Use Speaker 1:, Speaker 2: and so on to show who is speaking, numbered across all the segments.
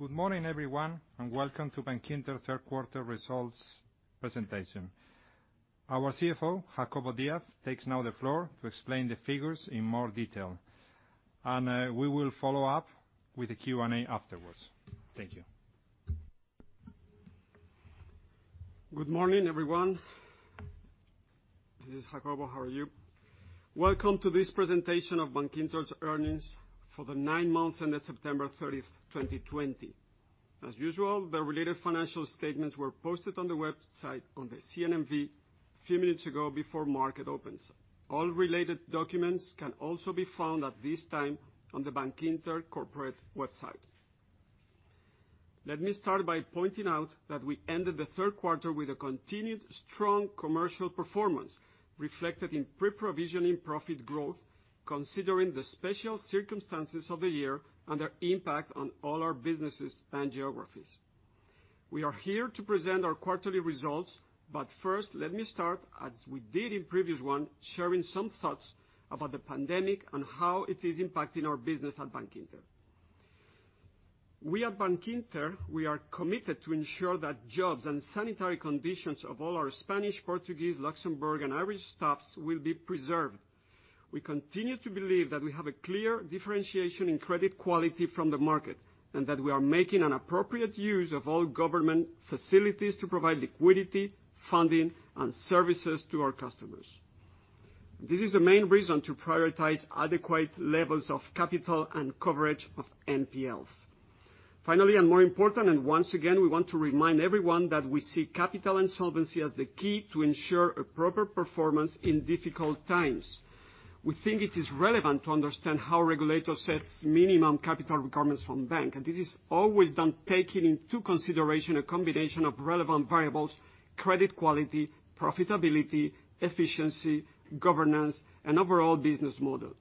Speaker 1: Good morning, everyone. Welcome to Bankinter third quarter results presentation. Our CFO, Jacobo Díaz, takes now the floor to explain the figures in more detail. We will follow up with a Q&A afterwards. Thank you.
Speaker 2: Good morning, everyone. This is Jacobo. How are you? Welcome to this presentation of Bankinter's earnings for the nine months ended September 30th, 2020. As usual, the related financial statements were posted on the website on the CNMV a few minutes ago before market opens. All related documents can also be found at this time on the Bankinter corporate website. Let me start by pointing out that we ended the third quarter with a continued strong commercial performance reflected in pre-provisioning profit growth, considering the special circumstances of the year and their impact on all our businesses and geographies. We are here to present our quarterly results. First, let me start, as we did in previous one, sharing some thoughts about the pandemic and how it is impacting our business at Bankinter. We at Bankinter, we are committed to ensure that jobs and sanitary conditions of all our Spanish, Portuguese, Luxembourg, and Irish staffs will be preserved. We continue to believe that we have a clear differentiation in credit quality from the market, and that we are making an appropriate use of all government facilities to provide liquidity, funding, and services to our customers. This is the main reason to prioritize adequate levels of capital and coverage of NPLs. Finally, and more important, and once again, we want to remind everyone that we see capital and solvency as the key to ensure a proper performance in difficult times. We think it is relevant to understand how regulator sets minimum capital requirements from bank. This is always done taking into consideration a combination of relevant variables: credit quality, profitability, efficiency, governance, and overall business model.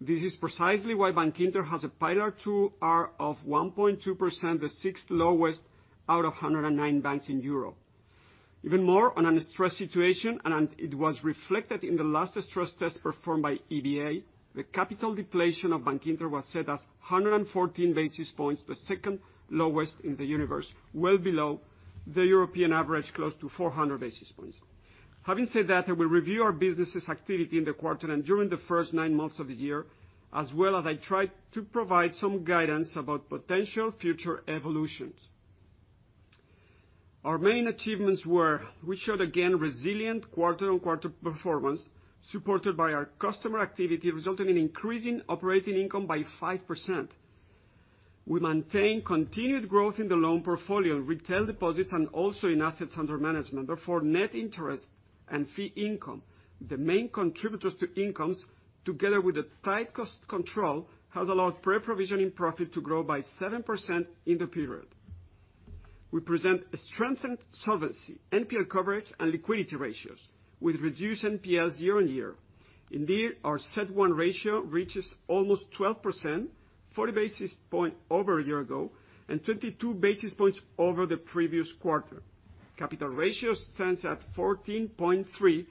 Speaker 2: This is precisely why Bankinter has a Pillar 2R of 1.2%, the sixth lowest out of 109 banks in Europe. Even more on a stress situation, and it was reflected in the last stress test performed by EBA. The capital depletion of Bankinter was set as 114 basis points, the second lowest in the universe, well below the European average, close to 400 basis points. Having said that, we review our business' activity in the quarter and during the first nine months of the year, as well as I try to provide some guidance about potential future evolutions. Our main achievements were, we showed again resilient quarter-on-quarter performance supported by our customer activity, resulting in increasing operating income by 5%. We maintain continued growth in the loan portfolio, retail deposits, and also in assets under management. Net interest and fee incomes, the main contributors to incomes, together with the tight cost control, has allowed pre-provisioning profit to grow by 7% in the period. We present a strengthened solvency, NPL coverage, and liquidity ratios, with reduced NPLs year-on-year. Our CET1 ratio reaches almost 12%, 40 basis point over a year ago, and 22 basis points over the previous quarter. Capital ratio stands at 14.3%,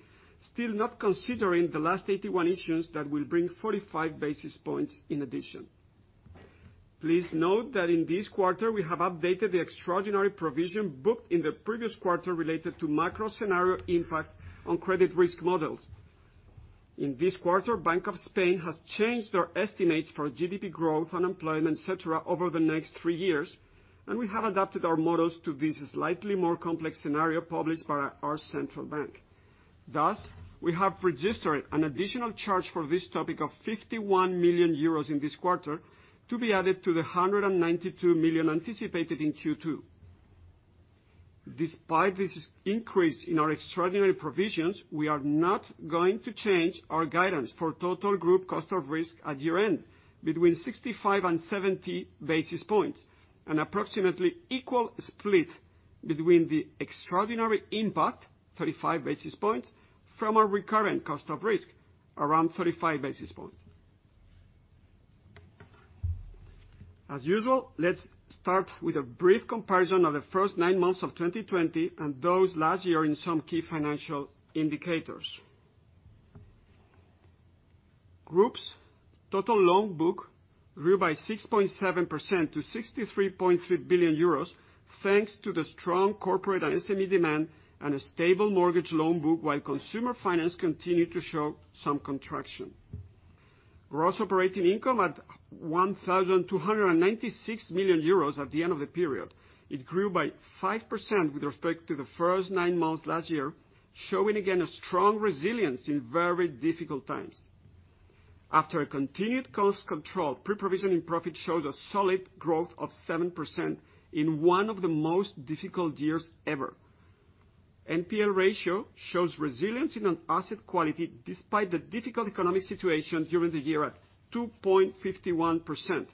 Speaker 2: still not considering the last AT1 issues that will bring 45 basis points in addition. Please note that in this quarter, we have updated the extraordinary provision booked in the previous quarter related to macro scenario impact on credit risk models. In this quarter, Bank of Spain has changed their estimates for GDP growth, unemployment, et cetera, over the next three years. We have adapted our models to this slightly more complex scenario published by our central bank. Thus, we have registered an additional charge for this topic of 51 million euros in this quarter to be added to the 192 million anticipated in Q2. Despite this increase in our extraordinary provisions, we are not going to change our guidance for total group cost of risk at year-end, between 65 and 70 basis points, an approximately equal split between the extraordinary impact, 35 basis points, from our recurrent cost of risk, around 35 basis points. As usual, let's start with a brief comparison of the first nine months of 2020 and those last year in some key financial indicators. Group's total loan book grew by 6.7% to 63.3 billion euros, thanks to the strong corporate and SME demand and a stable mortgage loan book, while consumer finance continued to show some contraction. Gross operating income at 1,296 million euros at the end of the period. It grew by 5% with respect to the first nine months last year, showing again a strong resilience in very difficult times. After a continued cost control, pre-provisioning profit shows a solid growth of 7% in one of the most difficult years ever. NPL ratio shows resilience in an asset quality despite the difficult economic situation during the year at 2.51%.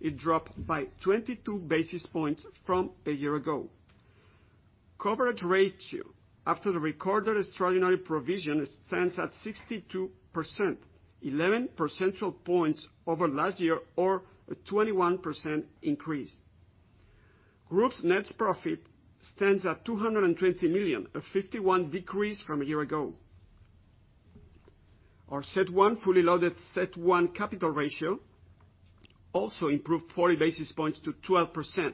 Speaker 2: It dropped by 22 basis points from a year ago. Coverage ratio after the recorded extraordinary provision stands at 62%, 11 percentage points over last year or a 21% increase. Group's net profit stands at 220 million, a 51% decrease from a year ago. Our fully loaded CET1 capital ratio also improved 40 basis points to 12%.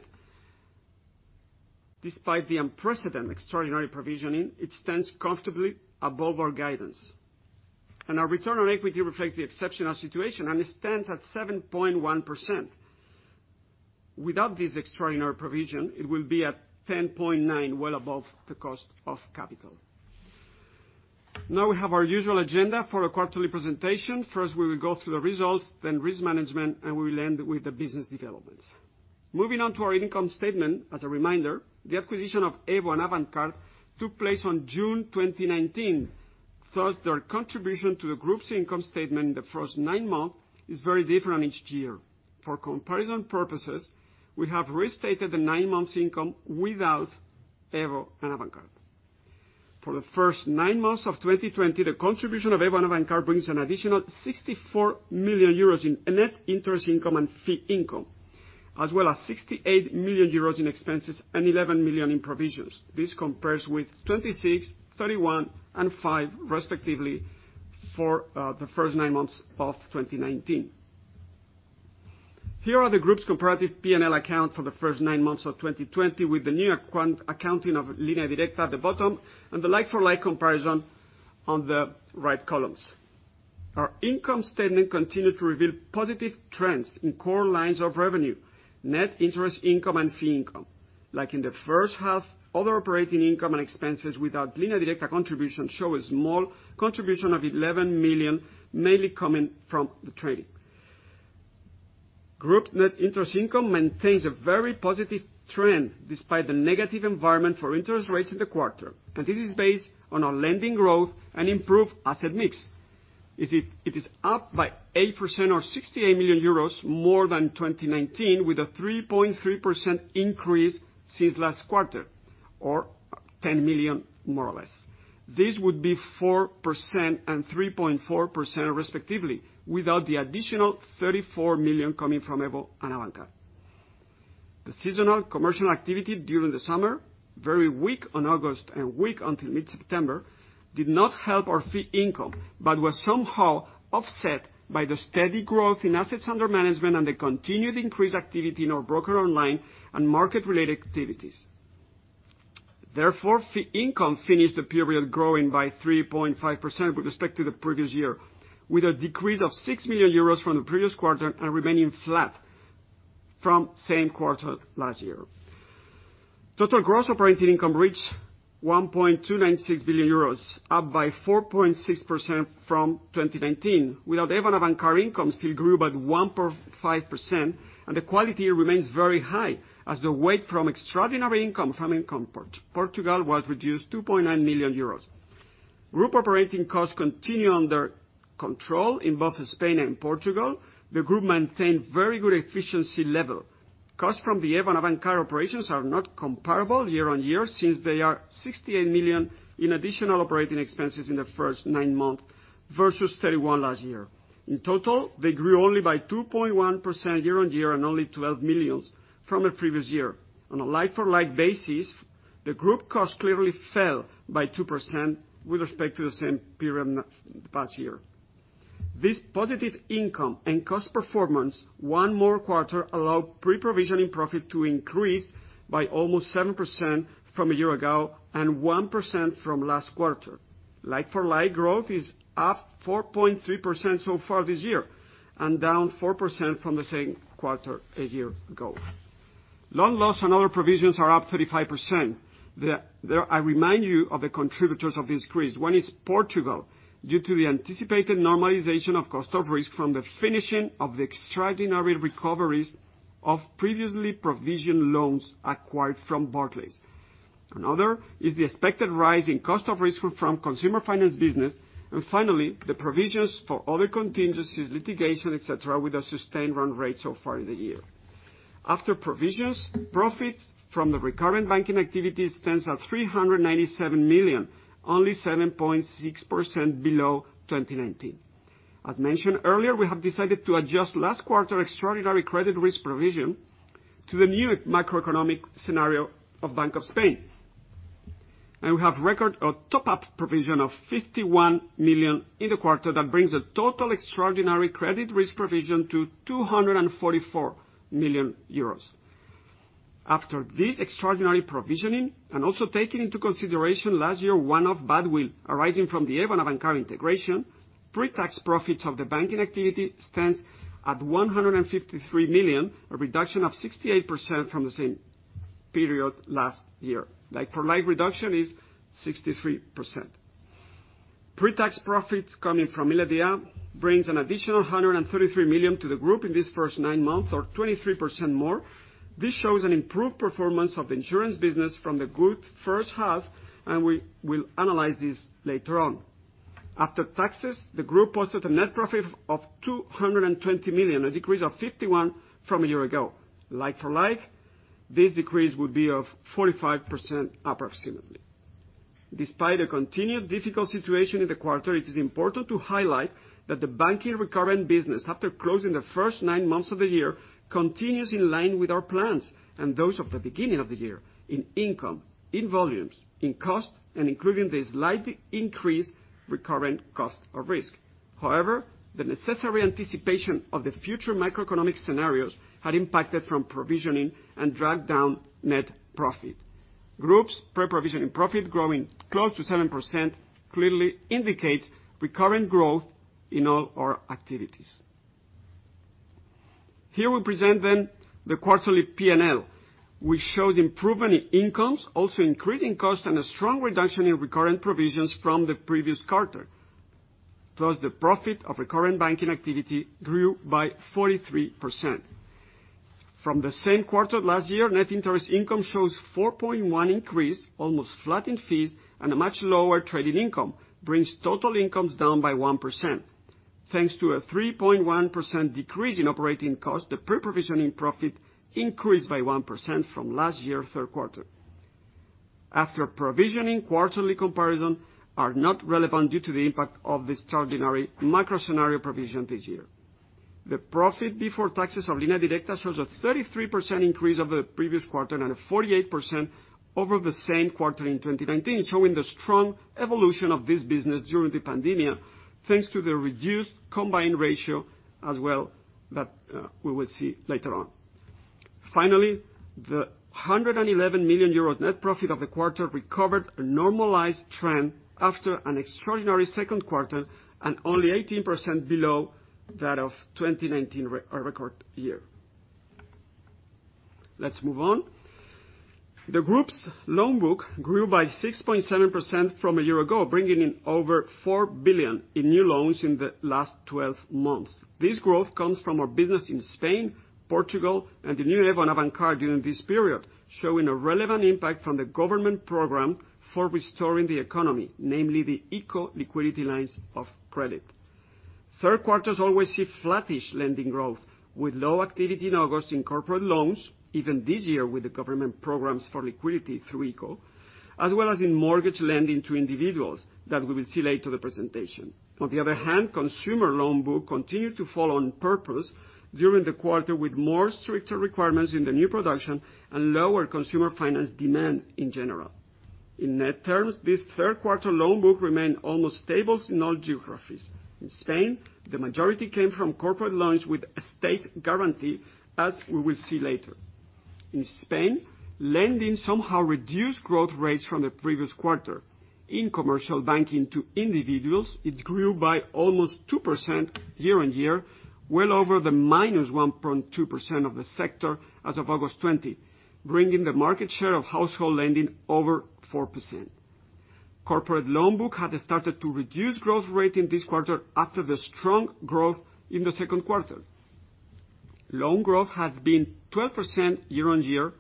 Speaker 2: Despite the unprecedented extraordinary provisioning, it stands comfortably above our guidance. Our return on equity reflects the exceptional situation, and it stands at 7.1%. Without this extraordinary provision, it will be at 10.9%, well above the cost of capital. Now we have our usual agenda for our quarterly presentation. First, we will go through the results, then risk management, and we will end with the business developments. Moving on to our income statement. As a reminder, the acquisition of EVO and Avantcard took place on June 2019. Thus, their contribution to the group's income statement in the first nine months is very different each year. For comparison purposes, we have restated the nine months income without EVO and Avantcard. For the first nine months of 2020, the contribution of EVO and Avantcard brings an additional 64 million euros in net interest income and fee income, as well as 68 million euros in expenses and 11 million in provisions. This compares with 26 million, 31 million, and 5 million, respectively, for the first nine months of 2019. Here are the group's comparative P&L accounts for the first nine months of 2020, with the new accounting of Línea Directa at the bottom and the like-for-like comparison on the right columns. Our income statement continued to reveal positive trends in core lines of revenue, net interest income, and fee income. Like in the first half, other operating income and expenses without Línea Directa contributions show a small contribution of 11 million, mainly coming from the trading. This is based on our lending growth and improved asset mix. It is up by 8% or EUR 68 million more than 2019, with a 3.3% increase since last quarter, or 10 million, more or less. This would be 4% and 3.4%, respectively, without the additional 34 million coming from EVO and Avantcard. The seasonal commercial activity during the summer, very weak in August and weak until mid-September, did not help our fee income, but was somehow offset by the steady growth in assets under management and the continued increased activity in our Bróker Online and market-related activities. Therefore, fee income finished the period growing by 3.5% with respect to the previous year, with a decrease of 6 million euros from the previous quarter and remaining flat from same quarter last year. Total gross operating income reached 1.296 billion euros, up by 4.6% from 2019. Without EVO and Avantcard, income still grew by 1.5%, and the quality remains very high, as the weight from extraordinary income from Portugal was reduced 2.9 million euros. Group operating costs continue under control in both Spain and Portugal. The group maintained very good efficiency level. Costs from the EVO and Avantcard operations are not comparable year-on-year since they are 68 million in additional operating expenses in the first nine months, versus 31 million last year. In total, they grew only by 2.1% year-on-year and only 12 million from the previous year. On a like-for-like basis, the group cost clearly fell by 2% with respect to the same period in the past year. This positive income and cost performance one more quarter allowed pre-provisioning profit to increase by almost 7% from a year ago and 1% from last quarter. Like-for-like growth is up 4.3% so far this year and down 4% from the same quarter a year ago. Loan loss and other provisions are up 35%. I remind you of the contributors of this increase. One is Portugal, due to the anticipated normalization of cost of risk from the finishing of the extraordinary recoveries of previously provisioned loans acquired from Barclays. Another is the expected rise in cost of risk from consumer finance business. Finally, the provisions for other contingencies, litigation, et cetera, with a sustained run rate so far this year. After provisions, profits from the recurrent banking activities stands at 397 million, only 7.6% below 2019. As mentioned earlier, we have decided to adjust last quarter extraordinary credit risk provision to the new macroeconomic scenario of Bank of Spain. We have record of top-up provision of 51 million in the quarter. That brings the total extraordinary credit risk provision to 244 million euros. After this extraordinary provisioning, and also taking into consideration last year one-off goodwill arising from the EVO and Avantcard integration, pre-tax profits of the banking activity stands at 153 million, a reduction of 68% from the same period last year. Like-for-like reduction is 63%. Pre-tax profits coming from Línea Directa brings an additional 133 million to the group in this first nine months or 23% more. This shows an improved performance of the insurance business from the good first half, and we will analyze this later on. After taxes, the group posted a net profit of 220 million, a decrease of 51% from a year ago. Like for like, this decrease would be of 45% approximately. Despite the continued difficult situation in the quarter, it is important to highlight that the banking recurrent business, after closing the first nine months of the year, continues in line with our plans and those of the beginning of the year in income, in volumes, in cost, and including the slight increased recurrent cost of risk. However, the necessary anticipation of the future macroeconomic scenarios had impacted from provisioning and dragged down net profit. Group's pre-provisioning profit growing close to 7% clearly indicates recurrent growth in all our activities. Here we present then the quarterly P&L, which shows improvement in incomes, also increase in cost, and a strong reduction in recurrent provisions from the previous quarter. The profit of recurrent banking activity grew by 43%. From the same quarter last year, net interest income shows 4.1% increase, almost flat in fees, a much lower trading income brings total incomes down by 1%. Thanks to a 3.1% decrease in operating cost, the pre-provisioning profit increased by 1% from last year, third quarter. After provisioning, quarterly comparisons are not relevant due to the impact of this extraordinary macro scenario provision this year. The profit before taxes of Línea Directa shows a 33% increase over the previous quarter and a 48% over the same quarter in 2019, showing the strong evolution of this business during the pandemic, thanks to the reduced combined ratio as well, that we will see later on. The 111 million euros net profit of the quarter recovered a normalized trend after an extraordinary second quarter, and only 18% below that of 2019, our record year. Let's move on. The group's loan book grew by 6.7% from a year ago, bringing in over 4 billion in new loans in the last 12 months. This growth comes from our business in Spain, Portugal, and the new level of Avantcard during this period, showing a relevant impact from the government program for restoring the economy, namely the ICO liquidity lines of credit. Third quarters always see flattish lending growth, with low activity in August in corporate loans, even this year with the government programs for liquidity through ICO, as well as in mortgage lending to individuals that we will see later the presentation. Consumer loan book continued to fall on purpose during the quarter, with stricter requirements in the new production and lower consumer finance demand in general. In net terms, this third quarter loan book remained almost stable in all geographies. In Spain, the majority came from corporate loans with a state guarantee, as we will see later. In Spain, lending somehow reduced growth rates from the previous quarter. In commercial banking to individuals, it grew by almost 2% year-on-year, well over the minus 1.2% of the sector as of August 20, bringing the market share of household lending over 4%. Corporate loan book had started to reduce growth rate in this quarter after the strong growth in the second quarter. Loan growth has been 12% year-on-year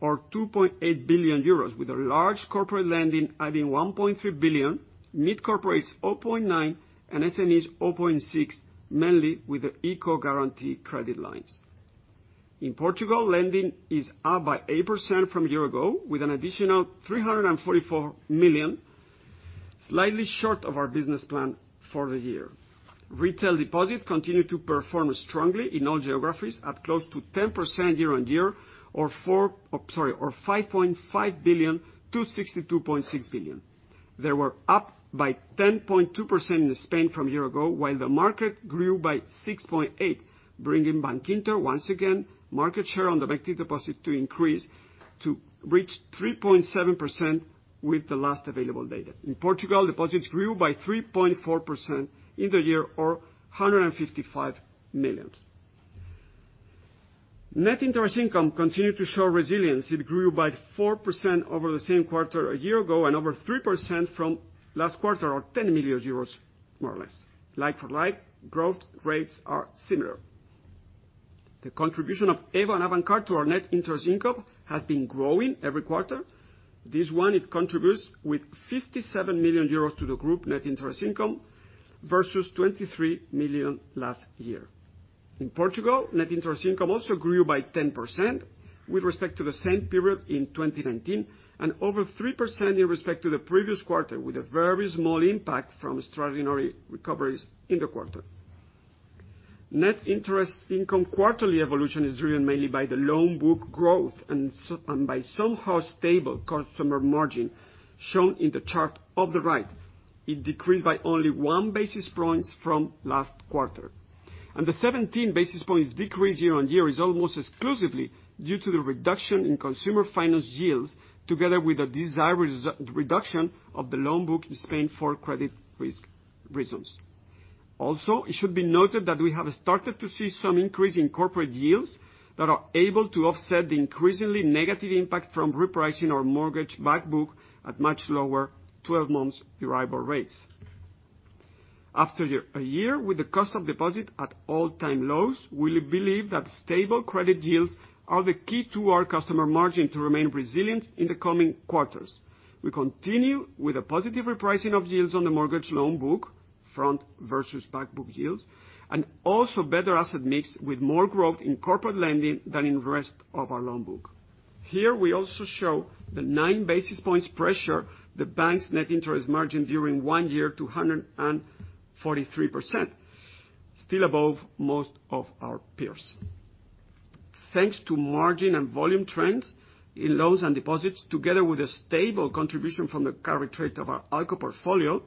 Speaker 2: or 2.8 billion euros, with a large corporate lending adding 1.3 billion, mid corporates 0.9 billion and SMEs 0.6 billion, mainly with the ICO guarantee lines. In Portugal, lending is up by 8% from a year ago with an additional 344 million, slightly short of our business plan for the year. Retail deposits continued to perform strongly in all geographies, up close to 10% year-on-year or 5.5 billion to 62.6 billion. They were up by 10.2% in Spain from a year ago, while the market grew by 6.8%, bringing Bankinter once again market share on the banking deposit to increase to reach 3.7% with the last available data. In Portugal, deposits grew by 3.4% in the year or 155 million. Net Interest Income continued to show resilience. It grew by 4% over the same quarter a year ago over 3% from last quarter, or 10 million euros, more or less. Like for like, growth rates are similar. The contribution of EVO and Avantcard to our net interest income has been growing every quarter. This one, it contributes with 57 million euros to the group net interest income versus 23 million last year. In Portugal, net interest income also grew by 10% with respect to the same period in 2019, over 3% in respect to the previous quarter, with a very small impact from extraordinary recoveries in the quarter. Net interest income quarterly evolution is driven mainly by the loan book growth by somehow stable customer margin, shown in the chart of the right. It decreased by only one basis point from last quarter. The 17 basis points decrease year-on-year is almost exclusively due to the reduction in consumer finance yields, together with a desired reduction of the loan book in Spain for credit risk reasons. Also, it should be noted that we have started to see some increase in corporate yields that are able to offset the increasingly negative impact from repricing our mortgage back book at much lower 12 months variable rates. After a year with the cost of deposit at all-time lows, we believe that stable credit yields are the key to our customer margin to remain resilient in the coming quarters. We continue with a positive repricing of yields on the mortgage loan book, front versus back book yields, and also better asset mix with more growth in corporate lending than in rest of our loan book. Here we also show the nine basis points pressure the bank's net interest margin during one year to 143%, still above most of our peers. Thanks to margin and volume trends in loans and deposits, together with a stable contribution from the current rate of our ALCO portfolio,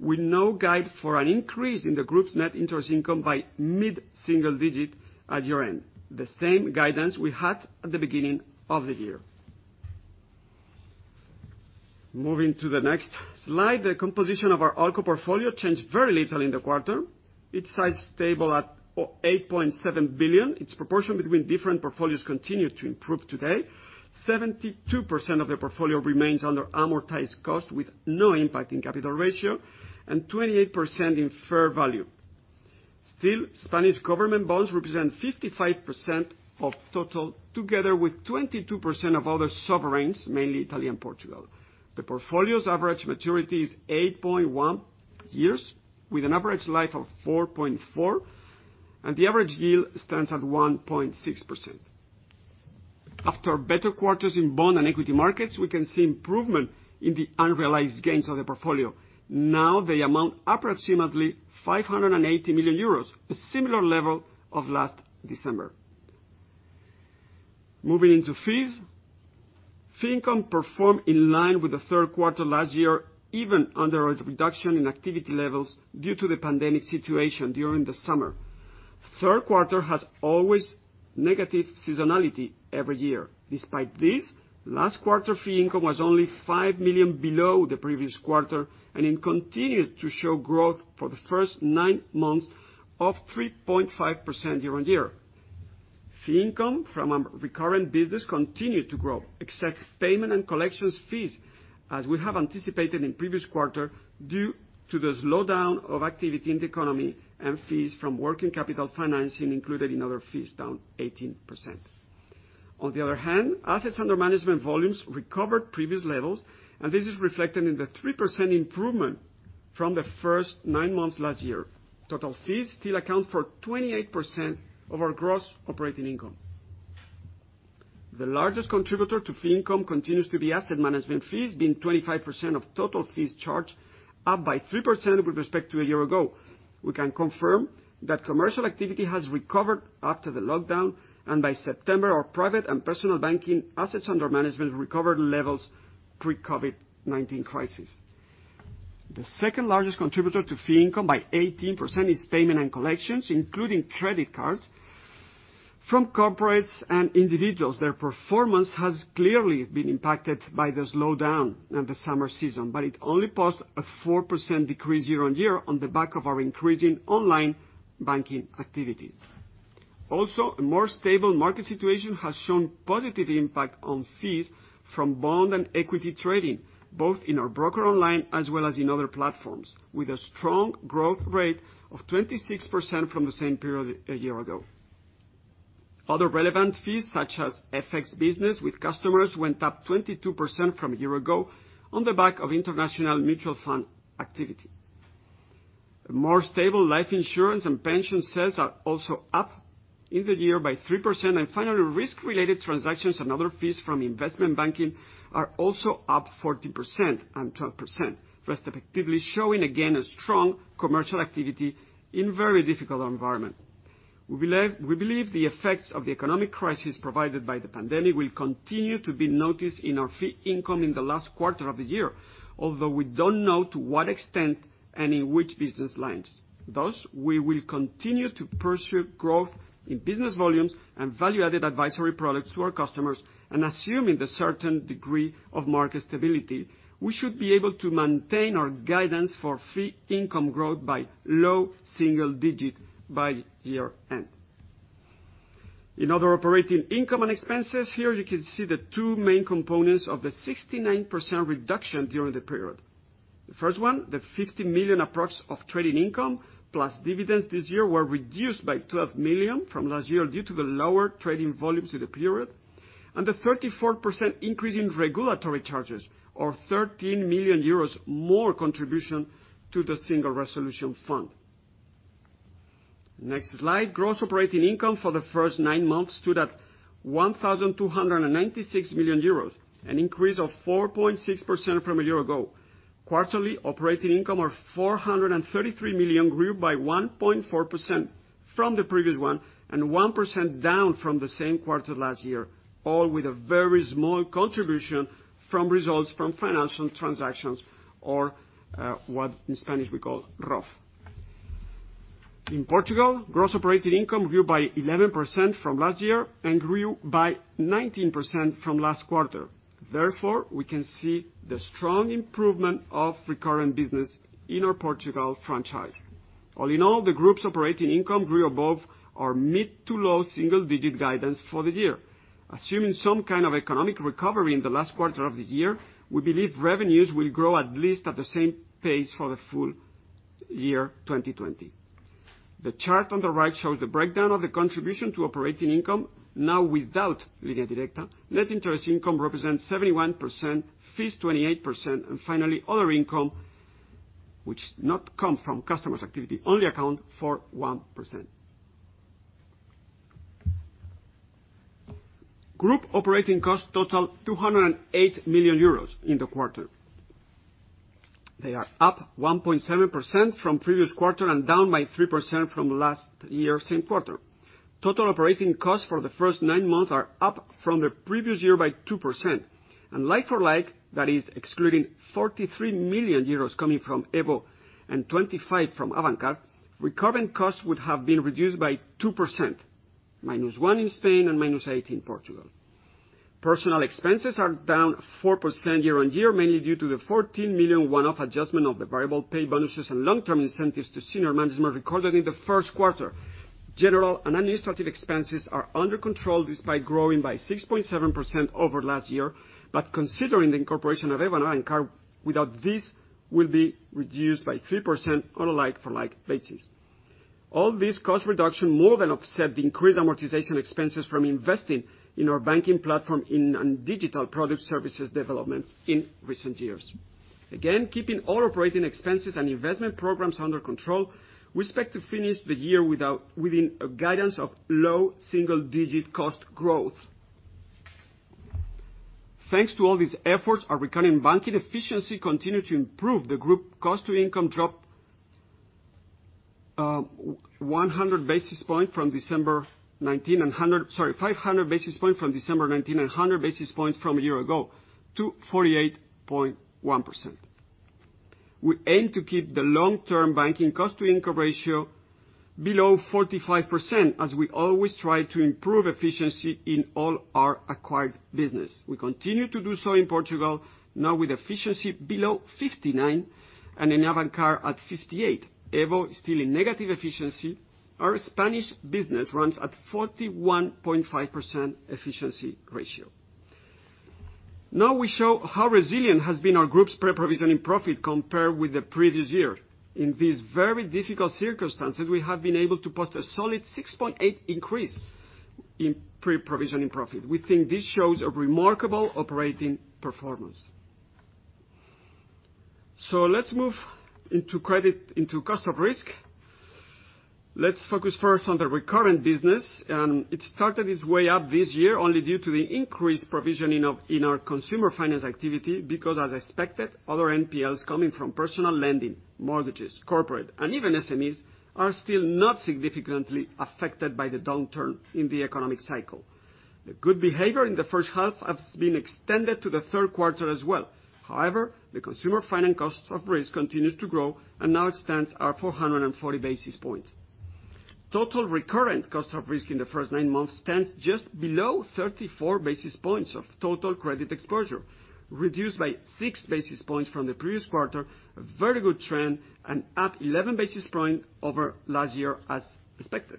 Speaker 2: we now guide for an increase in the group's net interest income by mid-single digit at year-end, the same guidance we had at the beginning of the year. Moving to the next slide. The composition of our ALCO portfolio changed very little in the quarter. Its size stable at 8.7 billion. Its proportion between different portfolios continued to improve today. 72% of the portfolio remains under amortized cost, with no impact in capital ratio, and 28% in fair value. Spanish government bonds represent 55% of total, together with 22% of other sovereigns, mainly Italy and Portugal. The portfolio's average maturity is 8.1 years, with an average life of 4.4, and the average yield stands at 1.6%. After better quarters in bond and equity markets, we can see improvement in the unrealized gains of the portfolio. Now they amount approximately 580 million euros, a similar level of last December. Moving into fees. Fee income performed in line with the third quarter last year, even under a reduction in activity levels due to the pandemic situation during the summer. Third quarter has always negative seasonality every year. Despite this, last quarter fee income was only 5 million below the previous quarter. It continued to show growth for the first nine months of 3.5% year-on-year. Fee income from our recurrent business continued to grow, except payment and collections fees, as we have anticipated in previous quarter, due to the slowdown of activity in the economy and fees from working capital financing included in other fees, down 18%. Assets under management volumes recovered previous levels. This is reflected in the 3% improvement from the first nine months last year. Total fees still account for 28% of our gross operating income. The largest contributor to fee income continues to be asset management fees, being 25% of total fees charged, up by 3% with respect to a year ago. We can confirm that commercial activity has recovered after the lockdown, and by September, our private and personal banking assets under management recovered levels pre-COVID-19 crisis. The second largest contributor to fee income by 18% is payment and collections, including credit cards from corporates and individuals. Their performance has clearly been impacted by the slowdown in the summer season, but it only posed a 4% decrease year-on-year on the back of our increasing online banking activity. A more stable market situation has shown positive impact on fees from bond and equity trading, both in our Bróker Online as well as in other platforms, with a strong growth rate of 26% from the same period a year ago. Other relevant fees, such as FX business with customers, went up 22% from a year ago on the back of international mutual fund activity. More stable life insurance and pension sales are also up in the year by 3%. Finally, risk-related transactions and other fees from investment banking are also up 40% and 12%, respectively, showing again a strong commercial activity in very difficult environment. We believe the effects of the economic crisis provided by the pandemic will continue to be noticed in our fee income in the last quarter of the year, although we don't know to what extent and in which business lines. We will continue to pursue growth in business volumes and value-added advisory products to our customers, and assuming the certain degree of market stability, we should be able to maintain our guidance for fee income growth by low single digit by year-end. In other operating income and expenses, here you can see the two main components of the 69% reduction during the period. The first one, the 50 million approx of trading income plus dividends this year were reduced by 12 million from last year due to the lower trading volumes in the period, and the 34% increase in regulatory charges, or 13 million euros more contribution to the Single Resolution Fund. Next slide. Gross operating income for the first nine months stood at 1,296 million euros, an increase of 4.6% from a year ago. Quarterly operating income of 433 million grew by 1.4% from the previous one, and 1% down from the same quarter last year, all with a very small contribution from results from financial transactions or, what in Spanish we call ROF. In Portugal, gross operating income grew by 11% from last year and grew by 19% from last quarter. Therefore, we can see the strong improvement of recurrent business in our Portugal franchise. All in all, the group's operating income grew above our mid-to-low single-digit guidance for the year. Assuming some kind of economic recovery in the last quarter of the year, we believe revenues will grow at least at the same pace for the full year 2020. The chart on the right shows the breakdown of the contribution to operating income, now without Línea Directa. Net interest income represents 71%, fees 28%, and finally, other income Which not come from customers' activity, only account for 1%. Group operating costs total 208 million euros in the quarter. They are up 1.7% from previous quarter and down by 3% from last year same quarter. Total operating costs for the first nine months are up from the previous year by 2%. Like-for-like, that is excluding 43 million euros coming from EVO and 25 million from Avantcard, recurrent costs would have been reduced by 2%, -1% in Spain and -8% in Portugal. Personal expenses are down 4% year-on-year, mainly due to the 14 million one-off adjustment of the variable pay bonuses and long-term incentives to senior management recorded in the first quarter. General and administrative expenses are under control despite growing by 6.7% over last year, considering the incorporation of EVO and Avantcard, without this will be reduced by 3% on a like-for-like basis. All this cost reduction more than offset the increased amortization expenses from investing in our banking platform and digital product services developments in recent years. Keeping all operating expenses and investment programs under control, we expect to finish the year within a guidance of low single-digit cost growth. Thanks to all these efforts, our recurring banking efficiency continued to improve. The group cost to income dropped 500 basis points from December 2019 and 100 basis points from a year ago to 48.1%. We aim to keep the long-term banking cost to income ratio below 45%, as we always try to improve efficiency in all our acquired business. We continue to do so in Portugal, now with efficiency below 59%, and in Avantcard at 58%. EVO is still in negative efficiency. Our Spanish business runs at 41.5% efficiency ratio. Now we show how resilient has been our group's pre-provisioning profit compared with the previous year. In these very difficult circumstances, we have been able to post a solid 6.8% increase in pre-provisioning profit. We think this shows a remarkable operating performance. Let's move into credit, into cost of risk. Let's focus first on the recurrent business. It started its way up this year only due to the increased provisioning of in our consumer finance activity because, as expected, other NPLs coming from personal lending, mortgages, corporate, and even SMEs are still not significantly affected by the downturn in the economic cycle. The good behavior in the first half has been extended to the third quarter as well. However, the consumer finance cost of risk continues to grow and now stands at 440 basis points. Total recurrent cost of risk in the first nine months stands just below 34 basis points of total credit exposure, reduced by six basis points from the previous quarter, a very good trend, and up 11 basis points over last year as expected.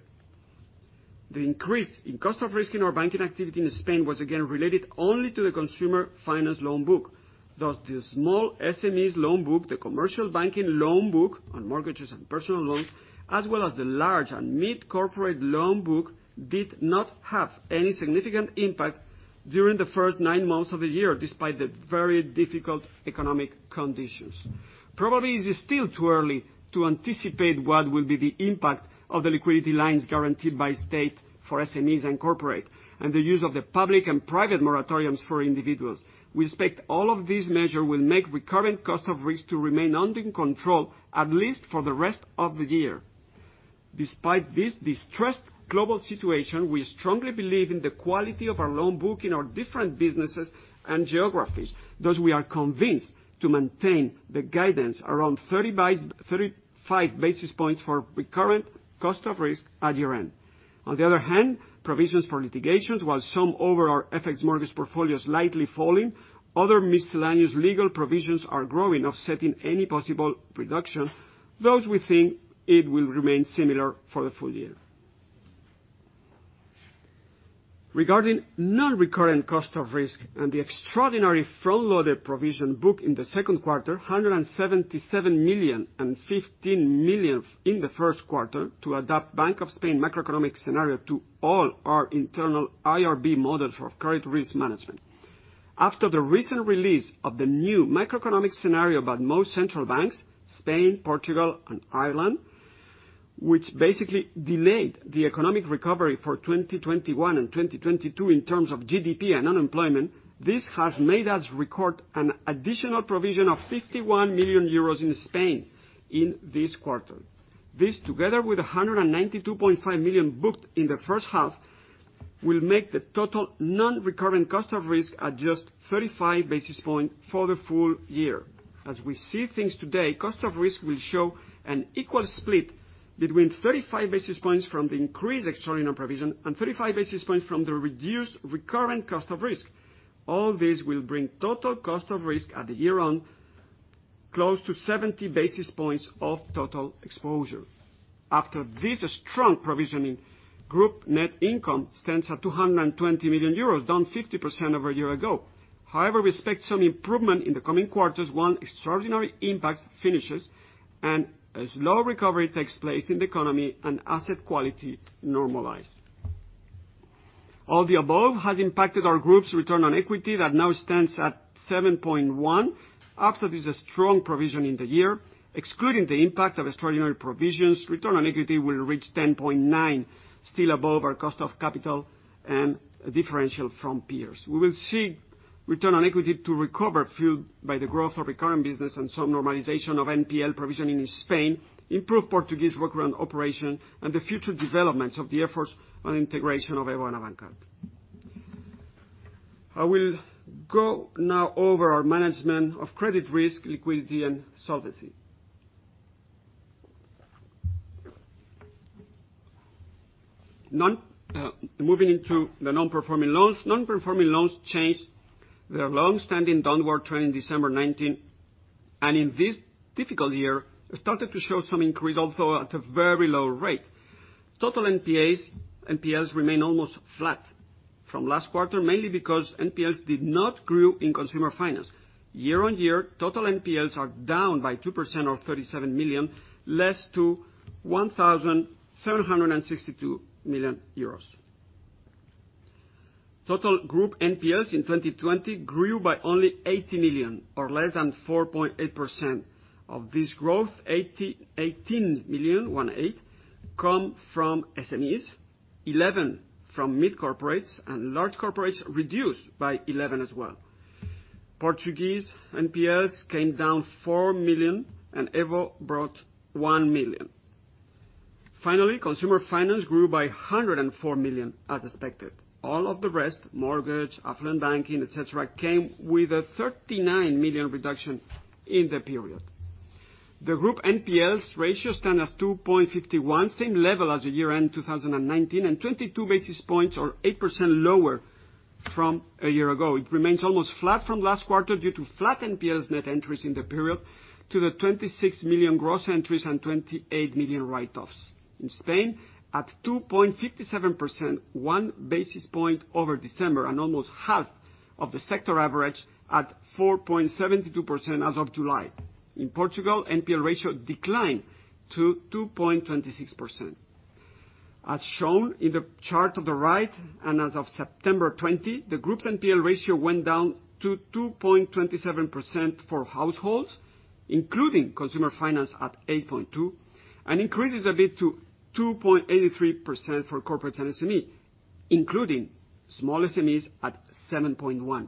Speaker 2: The increase in cost of risk in our banking activity in Spain was again related only to the consumer finance loan book. The small SMEs loan book, the commercial banking loan book on mortgages and personal loans, as well as the large and mid-corporate loan book, did not have any significant impact during the first nine months of the year, despite the very difficult economic conditions. Probably, it is still too early to anticipate what will be the impact of the liquidity lines guaranteed by state for SMEs and corporate, and the use of the public and private moratoriums for individuals. We expect all of these measures will make recurrent cost of risk to remain under control, at least for the rest of the year. Despite this distressed global situation, we strongly believe in the quality of our loan book in our different businesses and geographies. We are convinced to maintain the guidance around 35 basis points for recurrent cost of risk at year-end. Provisions for litigations, while some over our FX mortgage portfolios slightly falling, other miscellaneous legal provisions are growing, offsetting any possible reduction. We think it will remain similar for the full year. Regarding non-recurrent cost of risk and the extraordinary front-loaded provision booked in the second quarter, 177 million and 15 million in the first quarter to adapt Bank of Spain macroeconomic scenario to all our internal IRB models for credit risk management. After the recent release of the new macroeconomic scenario by most central banks, Spain, Portugal, and Ireland, which basically delayed the economic recovery for 2021 and 2022 in terms of GDP and unemployment, this has made us record an additional provision of 51 million euros in Spain in this quarter. This, together with 192.5 million booked in the first half, will make the total non-recurrent cost of risk at just 35 basis points for the full year. As we see things today, cost of risk will show an equal split between 35 basis points from the increased extraordinary provision and 35 basis points from the reduced recurrent cost of risk. All this will bring total cost of risk at the year-end close to 70 basis points of total exposure. After this strong provisioning, group net income stands at 220 million euros, down 50% over e year ago. However, we expect some improvement in the coming quarters once extraordinary impacts finishes and a slow recovery takes place in the economy and asset quality normalize. All the above has impacted our group's return on equity, that now stands at 7.1 after this strong provision in the year. Excluding the impact of extraordinary provisions, return on equity will reach 10.9%, still above our cost of capital and differential from peers. We will see return on equity to recover, fueled by the growth of recurring business and some normalization of NPL provisioning in Spain, improved Portuguese workaround operation, the future developments of the efforts on integration of EVO and Avantcard. I will go now over our management of credit risk, liquidity, and solvency. Moving into the non-performing loans. Non-performing loans changed their longstanding downward trend in December 2019. In this difficult year, started to show some increase, although at a very low rate. Total NPAs, NPLs remain almost flat from last quarter, mainly because NPLs did not grow in consumer finance. Year-on-year, total NPLs are down by 2% or 37 million, less to 1,762 million euros. Total group NPLs in 2020 grew by only 80 million or less than 4.8%. Of this growth, 18 million, one eight, come from SMEs, 11 from mid corporates, and large corporates reduced by 11 as well. Portuguese NPLs came down 4 million, and EVO brought 1 million. Finally, consumer finance grew by 104 million as expected. All of the rest, mortgage, affluent banking, et cetera, came with a 39 million reduction in the period. The group NPLs ratio stands as 2.51%, same level as of year-end 2019, and 22 basis points or 8% lower from a year ago. It remains almost flat from last quarter due to flat NPLs net entries in the period to the 26 million gross entries and 28 million write-offs. In Spain, at 2.57%, one basis point over December and almost half of the sector average at 4.72% as of July. In Portugal, NPL ratio declined to 2.26%. As shown in the chart on the right, as of September 2020, the group's NPL ratio went down to 2.27% for households, including consumer finance at 8.2%, and increases a bit to 2.83% for corporates and SME, including small SMEs at 7.1%.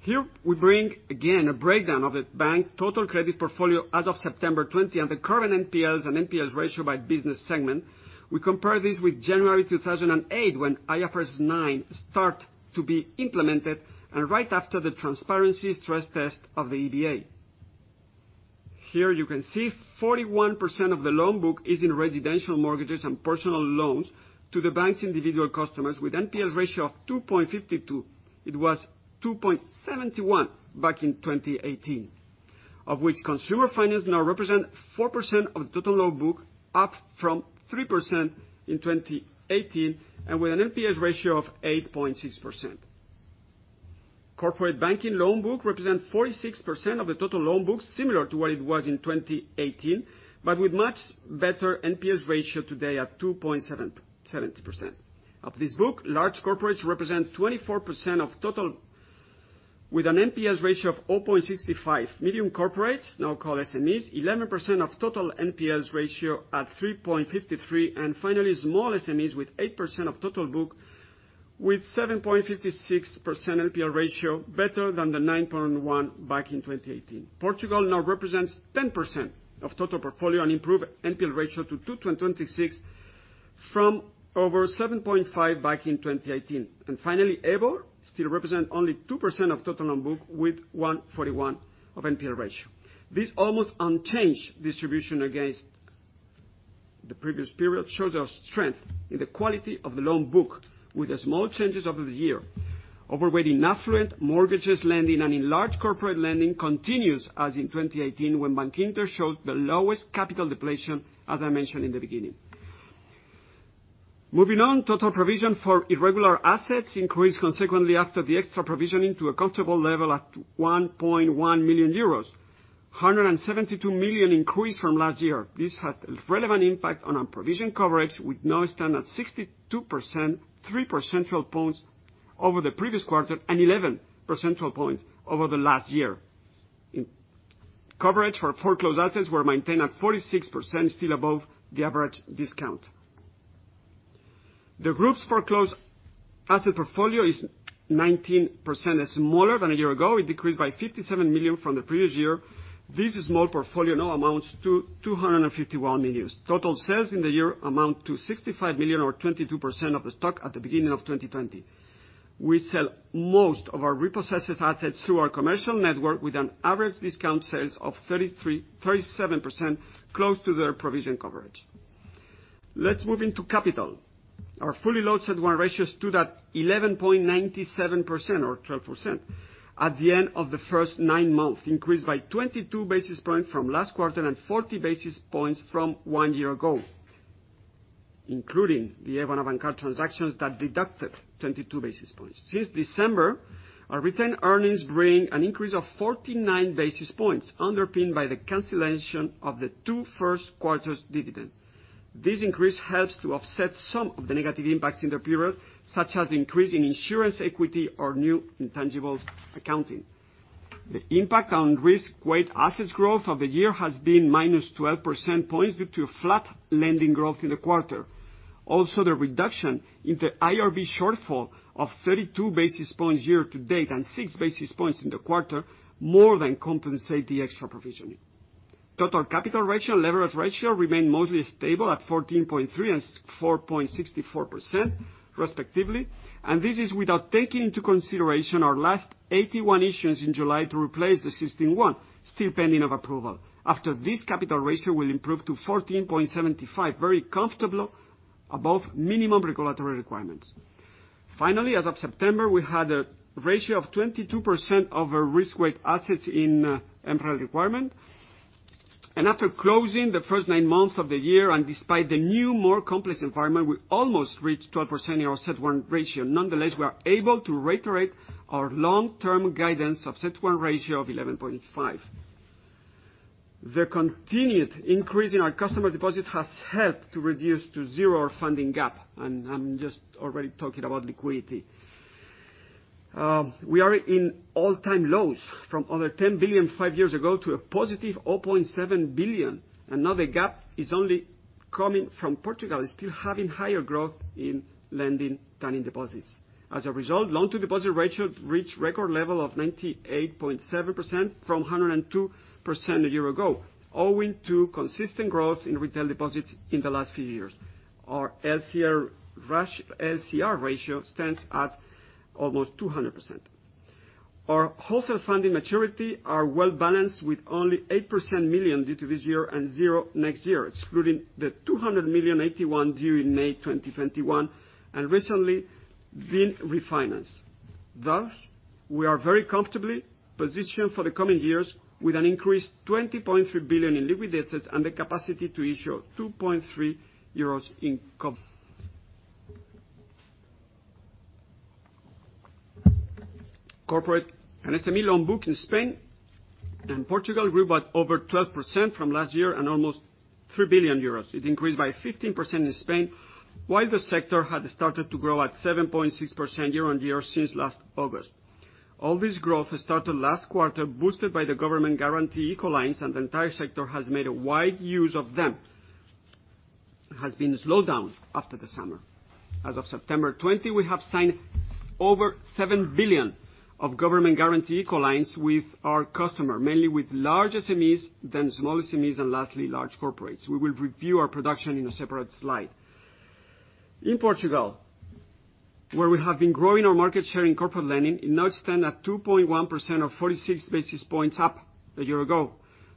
Speaker 2: Here we bring again a breakdown of the bank total credit portfolio as of September 2020, and the current NPLs and NPLs ratio by business segment. We compare this with January 2008, when IFRS 9 started to be implemented, and right after the transparency stress test of the EBA. Here you can see 41% of the loan book is in residential mortgages and personal loans to the bank's individual customers with NPL ratio of 2.52%. It was 2.71% back in 2018. Of which consumer finance now represent 4% of the total loan book, up from 3% in 2018, with an NPL ratio of 8.6%. Corporate banking loan book represents 46% of the total loan book, similar to what it was in 2018, with much better NPLs ratio today at 2.7%. Of this book, large corporates represent 24% of total, with an NPLs ratio of 0.65. Medium corporates, now called SMEs, 11% of total NPLs ratio at 3.53. Finally, small SMEs with 8% of total book with 7.56% NPL ratio, better than the 9.1 back in 2018. Portugal now represents 10% of total portfolio, an improved NPL ratio to 2.26 from over 7.5 back in 2018. Finally, EVO still represents only 2% of total loan book with 1.41% of NPL ratio. This almost unchanged distribution against the previous period shows our strength in the quality of the loan book with the small changes over the year. Overweighting affluent mortgages lending and in large corporate lending continues as in 2018 when Bankinter showed the lowest capital depletion, as I mentioned in the beginning. Moving on, total provision for irregular assets increased consequently after the extra provisioning to a comfortable level at 1.1 million euros. 172 million increase from last year. This had a relevant impact on our provision coverage, which now stand at 62%, three percentile points over the previous quarter and 11 percentile points over the last year. Coverage for foreclosed assets were maintained at 46%, still above the average discount. The group's foreclosed asset portfolio is 19% smaller than a year ago. It decreased by 57 million from the previous year. This small portfolio now amounts to 251 million. Total sales in the year amount to 65 million or 22% of the stock at the beginning of 2020. We sell most of our repossessed assets through our commercial network with an average discount sales of 37%, close to their provision coverage. Let's move into capital. Our fully loaded ratio stood at 11.97% or 12% at the end of the first nine months, increased by 22 basis points from last quarter and 40 basis points from one year ago, including the EVO and Abanca transactions that deducted 22 basis points. Since December, our retained earnings bring an increase of 49 basis points, underpinned by the cancellation of the two first quarters dividend. This increase helps to offset some of the negative impacts in the period, such as the increase in insurance equity or new intangibles accounting. The impact on risk-weighted assets growth of the year has been minus 12 percentage points due to flat lending growth in the quarter. The reduction in the IRB shortfall of 32 basis points year to date and six basis points in the quarter more than compensate the extra provisioning. Total capital ratio and leverage ratio remain mostly stable at 14.3% and 4.64%, respectively, and this is without taking into consideration our last AT1 issues in July to replace the existing one, still pending of approval. After this, capital ratio will improve to 14.75%, very comfortable above minimum regulatory requirements. Finally, as of September, we had a ratio of 22% of our risk-weighted assets in MREL requirement. After closing the first nine months of the year, and despite the new, more complex environment, we almost reached 12% in our CET1 ratio. Nonetheless, we are able to reiterate our long-term guidance of CET1 ratio of 11.5. The continued increase in our customer deposits has helped to reduce to zero our funding gap. I'm just already talking about liquidity. We are in all-time lows from over 10 billion five years ago to a positive 0.7 billion. Now the gap is only coming from Portugal, still having higher growth in lending than in deposits. As a result, loan-to-deposit ratio reached record level of 98.7% from 102% a year ago, owing to consistent growth in retail deposits in the last few years. Our LCR ratio stands at almost 200%. Our wholesale funding maturity are well-balanced with only 8 million due this year and zero next year, excluding the 200 million AT1 due in May 2021 and recently been refinanced. Thus, we are very comfortably positioned for the coming years with an increased 20.3 billion in liquid assets and the capacity to issue 2.3 euros. Corporate and SME loan book in Spain and Portugal grew by over 12% from last year and almost 3 billion euros. It increased by 15% in Spain, while the sector had started to grow at 7.6% year-on-year since last August. All this growth started last quarter, boosted by the government guarantee ICO lines, and the entire sector has made a wide use of them. It has been slowed down after the summer. As of September 20, we have signed over 7 billion of government guarantee ICO lines with our customer, mainly with large SMEs, then small SMEs, and lastly, large corporates. We will review our production in a separate slide. In Portugal, where we have been growing our market share in corporate lending, it now stands at 2.1% or 46 basis points up a year ago.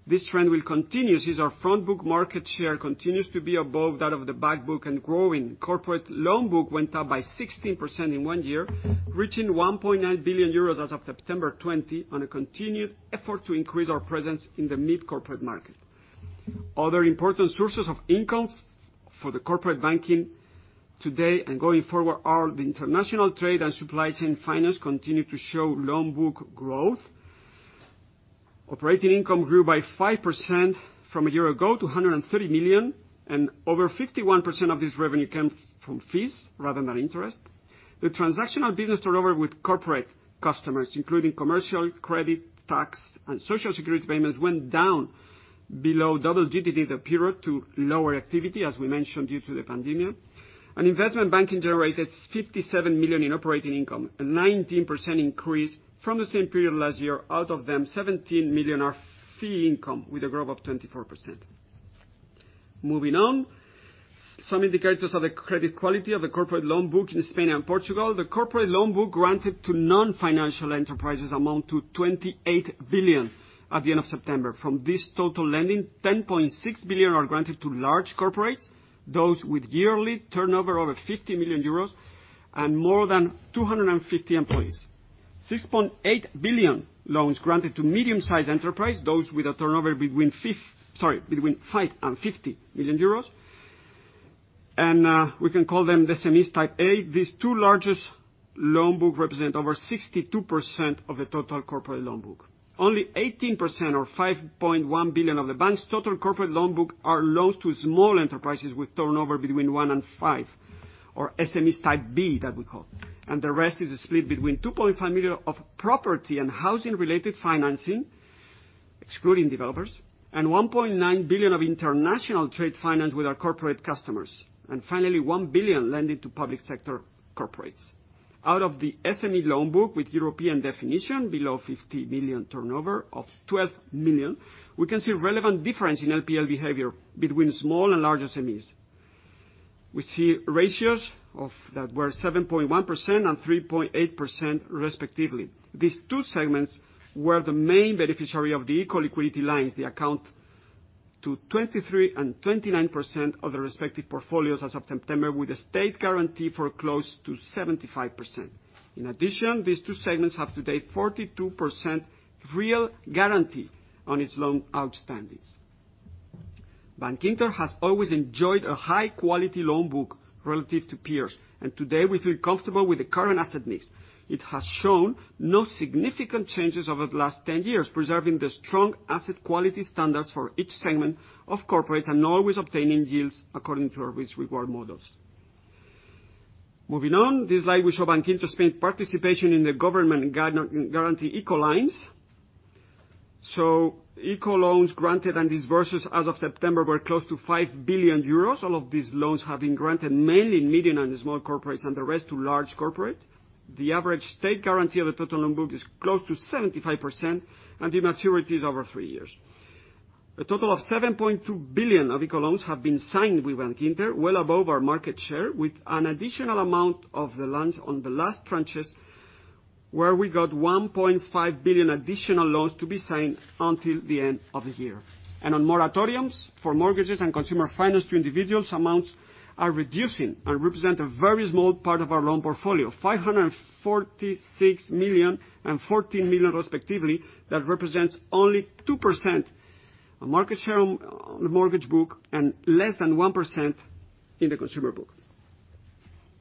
Speaker 2: This trend will continue since our front book market share continues to be above that of the back book and growing. corporate loan book went up by 16% in one year, reaching 1.9 billion euros as of September 20 on a continued effort to increase our presence in the mid-corporate market. Other important sources of income for the corporate banking today and going forward are the international trade and supply chain finance continue to show loan book growth. Operating income grew by 5% from a year ago to 130 million. Over 51% of this revenue came from fees rather than interest. The transactional business turnover with corporate customers, including commercial credit, tax, and Social Security payments, went down below double digits in the period to lower activity, as we mentioned, due to the pandemic. Investment banking generated 57 million in operating income, a 19% increase from the same period last year. Out of them, 17 million are fee income with a growth of 24%. Moving on. Some indicators of the credit quality of the corporate loan book in Spain and Portugal. The corporate loan book granted to non-financial enterprises amount to 28 billion at the end of September. From this total lending, 10.6 billion are granted to large corporates, those with yearly turnover over 50 million euros and more than 250 employees. 6.8 billion loans granted to medium-sized enterprise, those with a turnover between 5 million and 50 million euros. We can call them the SMEs type A. These two largest loan book represent over 62% of the total corporate loan book. Only 18% or 5.1 billion of the bank's total corporate loan book are loans to small enterprises with turnover between one and five, or SMEs type B, that we call. The rest is split between 2.5 million of property and housing-related financing, excluding developers, and 1.9 billion of international trade finance with our corporate customers. Finally, 1 billion lending to public sector corporates. Out of the SME loan book with European definition, below 50 million turnover of 12 million, we can see relevant difference in NPL behavior between small and large SMEs. We see ratios that were 7.1% and 3.8%, respectively. These two segments were the main beneficiary of the ICO liquidity lines. They account to 23% and 29% of the respective portfolios as of September, with a state guarantee for close to 75%. In addition, these two segments have today 42% real guarantee on its loan outstandings. Bankinter has always enjoyed a high-quality loan book relative to peers, and today we feel comfortable with the current asset mix. It has shown no significant changes over the last 10 years, preserving the strong asset quality standards for each segment of corporates and always obtaining yields according to our risk-reward models. Moving on, this slide will show Bankinter's participation in the government guarantee ICO loans. ICO loans granted and disbursed as of September were close to 5 billion euros. All of these loans have been granted mainly in medium and small corporates, and the rest to large corporates. The average state guarantee of the total loan book is close to 75%, and the maturity is over three years. A total of 7.2 billion of ICO loans have been signed with Bankinter, well above our market share, with an additional amount of the loans on the last tranches, where we got 1.5 billion additional loans to be signed until the end of the year. On moratoriums for mortgages and consumer finance to individuals, amounts are reducing and represent a very small part of our loan portfolio, 546 million and 14 million respectively, that represents only 2% of market share on the mortgage book and less than 1% in the consumer book.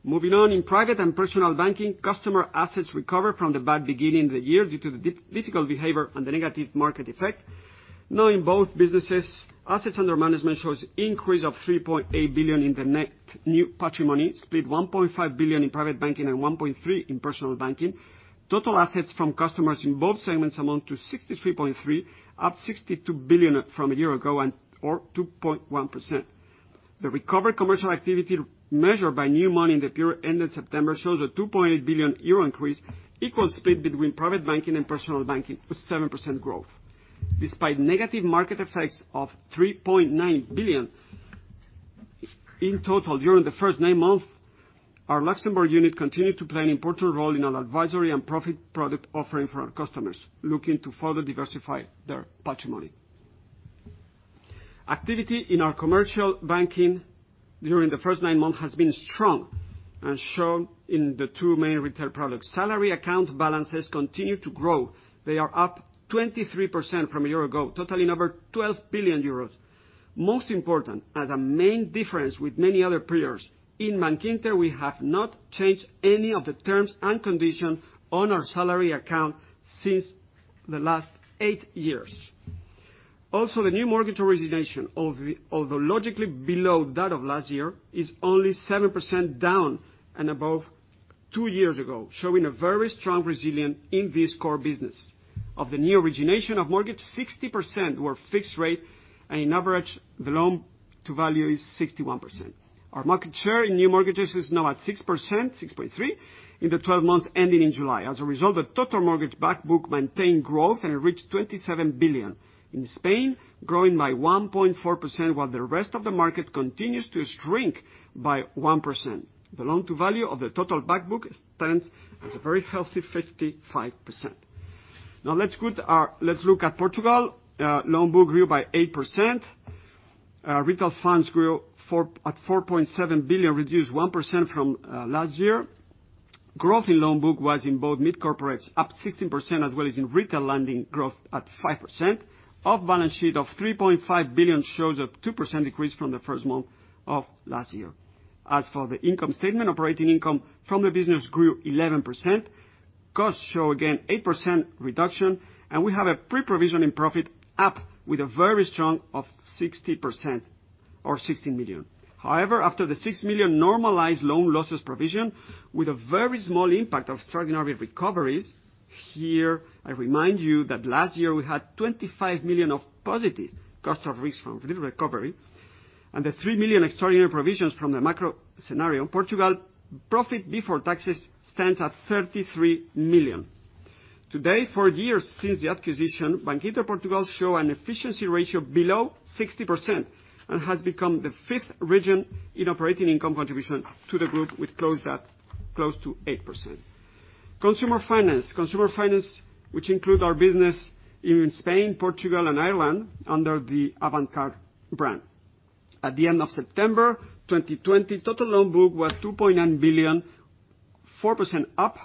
Speaker 2: Moving on, in private and personal banking, customer assets recovered from the bad beginning of the year due to the difficult behavior and the negative market effect. Now in both businesses, assets under management shows increase of 3.8 billion in the net new patrimony, split 1.5 billion in private banking and 1.3 in personal banking. Total assets from customers in both segments amount to 63.3 billion, up 62 billion from a year ago or 2.1%. The recovered commercial activity measured by new money in the period ending September shows a 2.8 billion euro increase, equally split between private banking and personal banking, with 7% growth. Despite negative market effects of 3.9 billion in total during the first nine months, our Luxembourg unit continued to play an important role in our advisory and profit product offering for our customers looking to further diversify their patrimony. Activity in our commercial banking during the first nine months has been strong and shown in the two main retail products. Salary account balances continue to grow. They are up 23% from a year ago, totaling over 12 billion euros. Most important, as a main difference with many other periods, in Bankinter, we have not changed any of the terms and conditions on our salary account since the last eight years. Also, the new mortgage origination, although logically below that of last year, is only 7% down and above two years ago, showing a very strong resilience in this core business. Of the new origination of mortgage, 60% were fixed rate, and on average, the loan to value is 61%. Our market share in new mortgages is now at 6.3% in the 12 months ending in July. As a result, the total mortgage back book maintained growth and reached 27 billion. In Spain, growing by 1.4%, while the rest of the market continues to shrink by 1%. The loan to value of the total back book stands at a very healthy 55%. Now let's look at Portugal. Loan book grew by 8%. Retail funds grew at 4.7 billion, reduced 1% from last year. Growth in loan book was in both mid-corporates, up 16%, as well as in retail lending growth at 5%. Off-balance sheet of 3.5 billion shows a 2% decrease from the first month of last year. As for the income statement, operating income from the business grew 11%. Costs show again 8% reduction, and we have a pre-provisioning profit up with a very strong of 16% or 16 million. However, after the 6 million normalized loan losses provision, with a very small impact of extraordinary recoveries, here, I remind you that last year we had 25 million of positive cost of risk from little recovery, and the 3 million extraordinary provisions from the macro scenario, Bankinter Portugal profit before taxes stands at 33 million. To date, for years since the acquisition, Bankinter Portugal show an efficiency ratio below 60% and has become the fifth region in operating income contribution to the group, with close to 8%. Consumer finance. Consumer finance, which include our business in Spain, Portugal, and Ireland under the Avantcard brand. At the end of September 2020, total loan book was 2.9 billion, 4% up.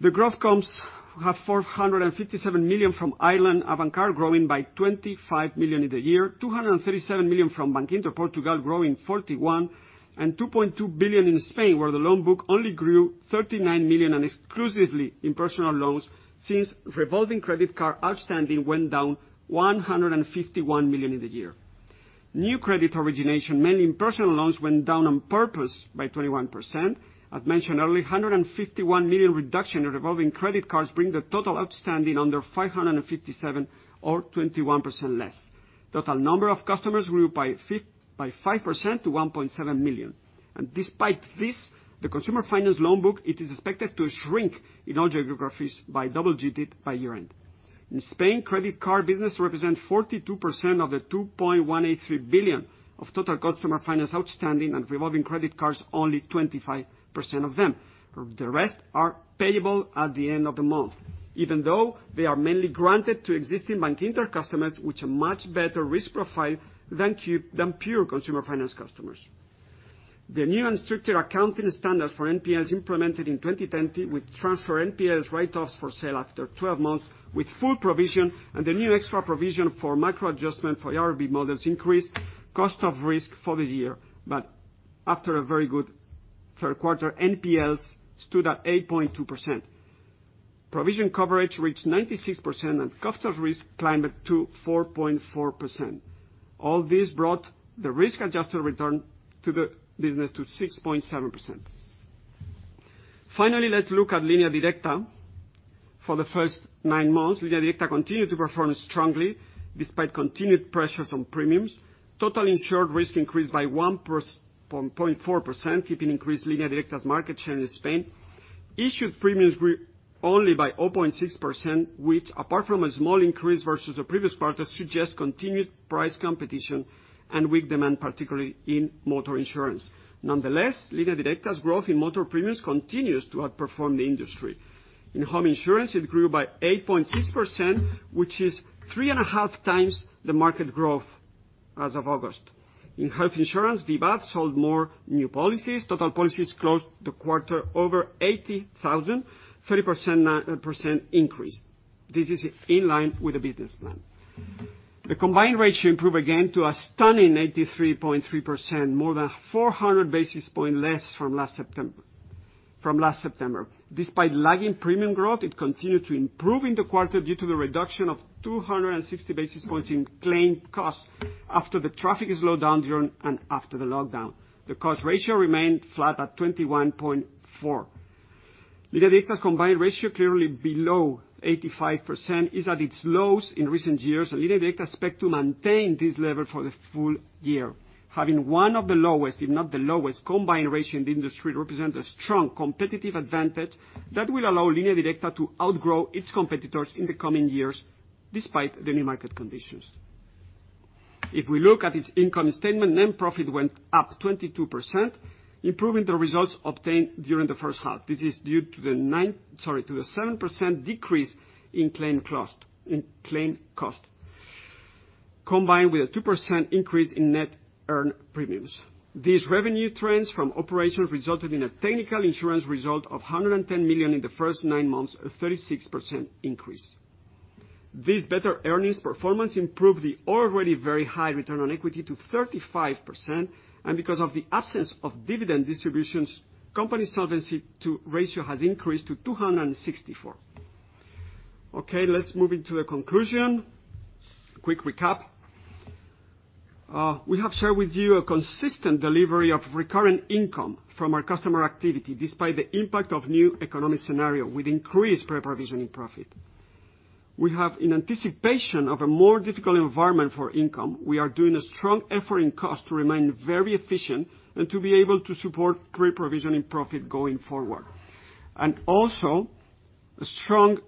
Speaker 2: The growth comes at 457 million from Ireland, Avantcard growing by 25 million in the year, 237 million from Bankinter Portugal growing 41, and 2.2 billion in Spain, where the loan book only grew 39 million and exclusively in personal loans since revolving credit card outstanding went down 151 million in the year. New credit origination, mainly in personal loans, went down on purpose by 21%. I've mentioned earlier, 151 million reduction in revolving credit cards bring the total outstanding under 557 or 21% less. Total number of customers grew by 5% to 1.7 million. Despite this, the consumer finance loan book, it is expected to shrink in all geographies by double digits by year-end. In Spain, credit card business represent 42% of the 2.183 billion of total customer finance outstanding, and revolving credit cards, only 25% of them. The rest are payable at the end of the month, even though they are mainly granted to existing Bankinter customers, which are much better risk profile than pure consumer finance customers. The new and stricter accounting standards for NPLs implemented in 2020 will transfer NPLs write-offs for sale after 12 months with full provision, and the new extra provision for micro adjustment for IRB models increased cost of risk for the year. After a very good third quarter, NPLs stood at 8.2%. Provision coverage reached 96%, and cost of risk climbed to 4.4%. All this brought the risk-adjusted return to the business to 6.7%. Finally, let's look at Línea Directa. For the first nine months, Línea Directa continued to perform strongly despite continued pressures on premiums. Total insured risk increased by 1.4%, keeping increased Línea Directa's market share in Spain. Issued premiums grew only by 0.6%, which, apart from a small increase versus the previous quarter, suggests continued price competition and weak demand, particularly in motor insurance. Nonetheless, Línea Directa's growth in motor premiums continues to outperform the industry. In home insurance, it grew by 8.6%, which is three and a half times the market growth as of August. In health insurance, Vivaz sold more new policies. Total policies closed the quarter over 80,000, 30% increase. This is in line with the business plan. The combined ratio improved again to a stunning 83.3%, more than 400 basis points less from last September. Despite lagging premium growth, it continued to improve in the quarter due to the reduction of 260 basis points in claim costs after the traffic is slowed down during and after the lockdown. The cost ratio remained flat at 21.4. Línea Directa's combined ratio, clearly below 85%, is at its lowest in recent years, and Línea Directa expect to maintain this level for the full year. Having one of the lowest, if not the lowest, combined ratio in the industry represents a strong competitive advantage that will allow Línea Directa to outgrow its competitors in the coming years, despite the new market conditions. If we look at its income statement, net profit went up 22%, improving the results obtained during the first half. This is due to the 7% decrease in claim cost, combined with a 2% increase in net earned premiums. These revenue trends from operations resulted in a technical insurance result of 110 million in the first nine months, a 36% increase. This better earnings performance improved the already very high return on equity to 35%, and because of the absence of dividend distributions, company Solvency II ratio has increased to 264. Let's move into the conclusion. Quick recap. We have shared with you a consistent delivery of recurrent income from our customer activity despite the impact of new economic scenario with increased pre-provisioning profit. In anticipation of a more difficult environment for income, we are doing a strong effort in cost to remain very efficient and to be able to support pre-provisioning profit going forward. Also, a strong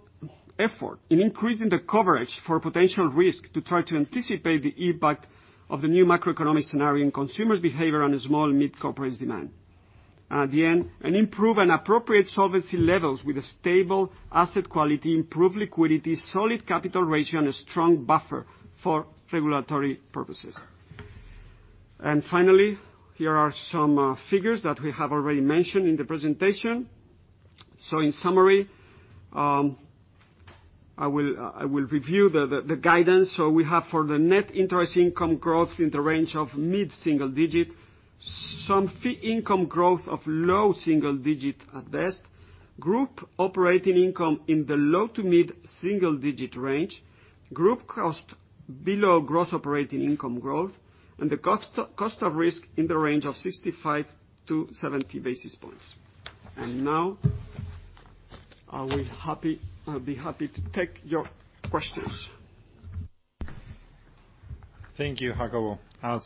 Speaker 2: effort in increasing the coverage for potential risk to try to anticipate the impact of the new macroeconomic scenario in consumers' behavior and small and mid-corporates demand. At the end, an improved and appropriate solvency levels with a stable asset quality, improved liquidity, solid capital ratio, and a strong buffer for regulatory purposes. Finally, here are some figures that we have already mentioned in the presentation. In summary, I will review the guidance. We have for the net interest income growth in the range of mid-single digit. Some fee income growth of low single digit at best. Group operating income in the low to mid-single digit range. Group cost below growth operating income growth. The cost of risk in the range of 65-70 basis points. Now, I'll be happy to take your questions.
Speaker 1: Thank you, Jacobo. As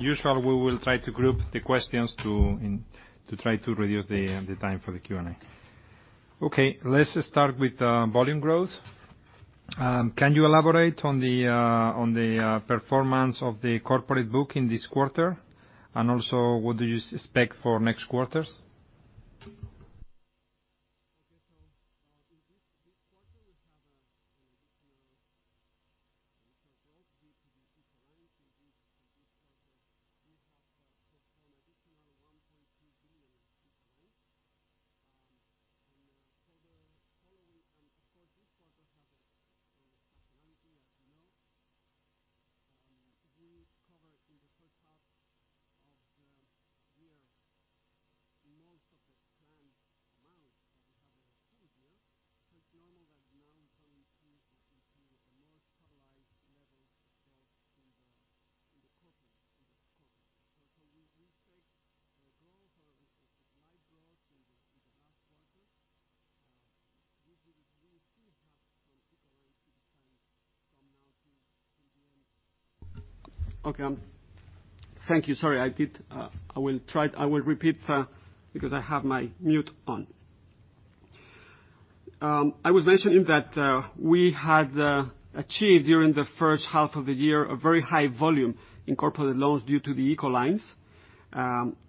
Speaker 1: usual, we will try to group the questions to try to reduce the time for the Q&A. Okay. Let's start with volume growth. Can you elaborate on the performance of the corporate book in this quarter? Also, what do you expect for next quarters?
Speaker 2: In this quarter, we have additional growth due to the ICO lines. In this quarter, we have performed additional EUR 1.2 billion in ICO loans. Of course, this quarter has a seasonality, as you know. We covered in the first half of the year most of the planned amount that we have set here. It's normal that now we're going to see the most stabilized levels of sales in the corporate. We expect growth or we expect light growth in the last quarter. We still have some ICO lines to be signed from now till the end. Thank you. Sorry. I will repeat, because I have my mute on. I was mentioning that we had achieved during the first half of the year a very high volume in corporate loans due to the ICO lines.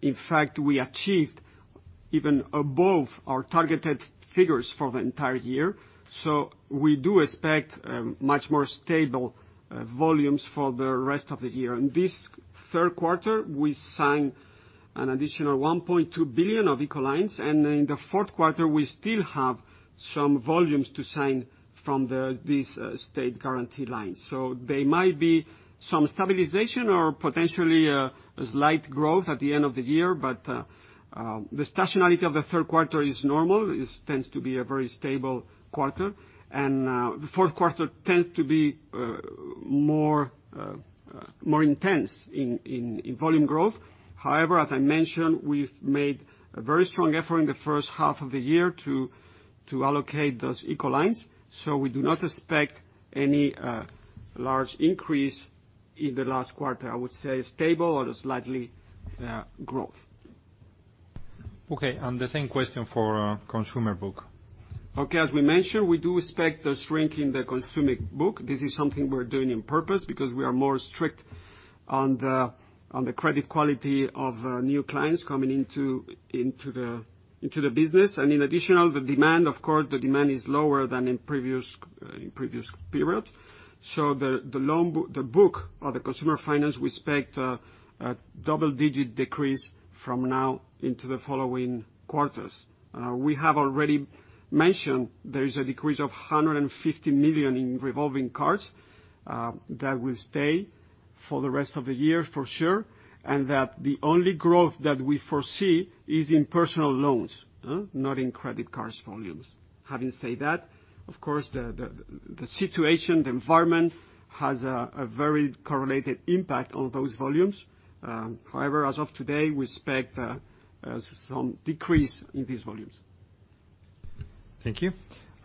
Speaker 2: In fact, we achieved even above our targeted figures for the entire year. We do expect much more stable volumes for the rest of the year. In this third quarter, we signed an additional 1.2 billion of ICO lines, and in the fourth quarter, we still have some volumes to sign from this state guarantee lines. They might be some stabilization or potentially a slight growth at the end of the year, but the seasonality of the third quarter is normal, tends to be a very stable quarter. The fourth quarter tends to be more intense in volume growth. However, as I mentioned, we've made a very strong effort in the first half of the year to allocate those ICO lines. We do not expect any large increase in the last quarter. I would say stable or slightly growth.
Speaker 1: Okay. The same question for consumer book.
Speaker 2: Okay. As we mentioned, we do expect a shrink in the consumer book. This is something we're doing on purpose because we are more strict on the credit quality of new clients coming into the business. In addition, the demand, of course, the demand is lower than in previous period. The book or the consumer finance, we expect a double-digit decrease from now into the following quarters. We have already mentioned there is a decrease of 150 million in revolving cards. That will stay for the rest of the year, for sure, and that the only growth that we foresee is in personal loans, not in credit cards volumes. Having said that, of course, the situation, the environment, has a very correlated impact on those volumes. However, as of today, we expect some decrease in these volumes.
Speaker 1: Thank you.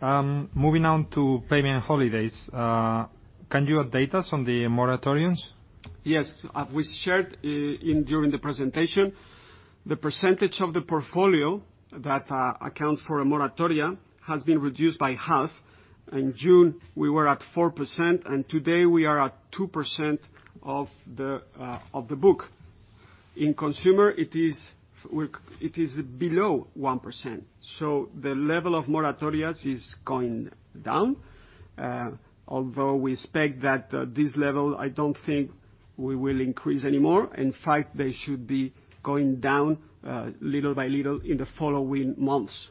Speaker 1: Moving on to payment holidays. Can you update us on the moratoriums?
Speaker 2: Yes. As we shared during the presentation, the percentage of the portfolio that accounts for a moratoria has been reduced by half. In June, we were at 4%, and today we are at 2% of the book. In consumer, it is below 1%, so the level of moratorias is going down. Although we expect that this level, I don't think we will increase anymore. In fact, they should be going down little by little in the following months.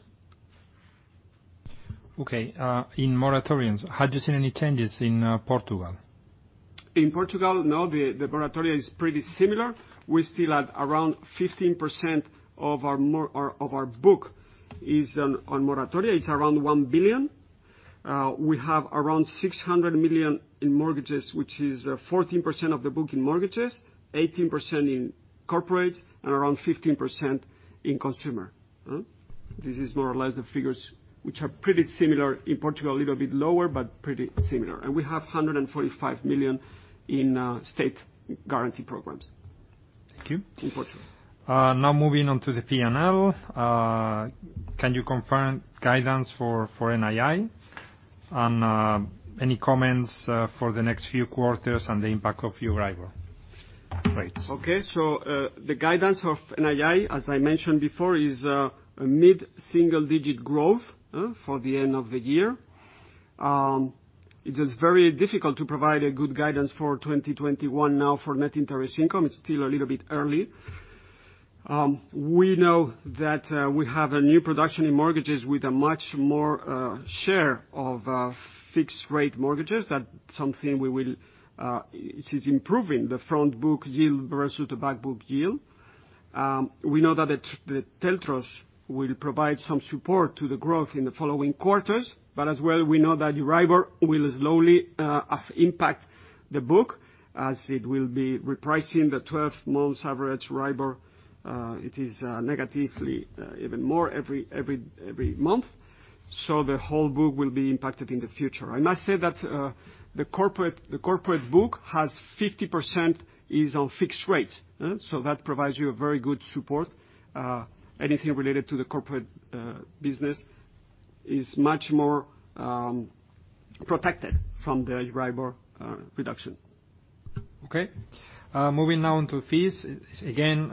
Speaker 1: Okay. In moratoriums, have you seen any changes in Portugal?
Speaker 2: In Portugal, no, the moratoria is pretty similar. We're still at around 15% of our book is on moratoria. It's around 1 billion. We have around 600 million in mortgages, which is 14% of the book in mortgages, 18% in corporates, and around 15% in consumer. This is more or less the figures which are pretty similar in Portugal, a little bit lower, but pretty similar. We have 145 million in state guarantee programs.
Speaker 1: Thank you.
Speaker 2: In Portugal.
Speaker 1: Moving on to the P&L. Can you confirm guidance for NII? Any comments for the next few quarters on the impact of Euribor rates?
Speaker 2: Okay. The guidance of NII, as I mentioned before, is a mid-single digit growth for the end of the year. It is very difficult to provide a good guidance for 2021 now for net interest income. It's still a little bit early. We know that we have a new production in mortgages with a much more share of fixed rate mortgages. It is improving the front book yield versus the back book yield. We know that the TLTROs will provide some support to the growth in the following quarters, but as well, we know that Euribor will slowly impact the book, as it will be repricing the 12 months average Euribor. It is negatively even more every month. The whole book will be impacted in the future. I must say that the corporate book has 50% is on fixed rates. That provides you a very good support. Anything related to the corporate business is much more protected from the Euribor reduction.
Speaker 1: Okay. Moving now into fees. Again,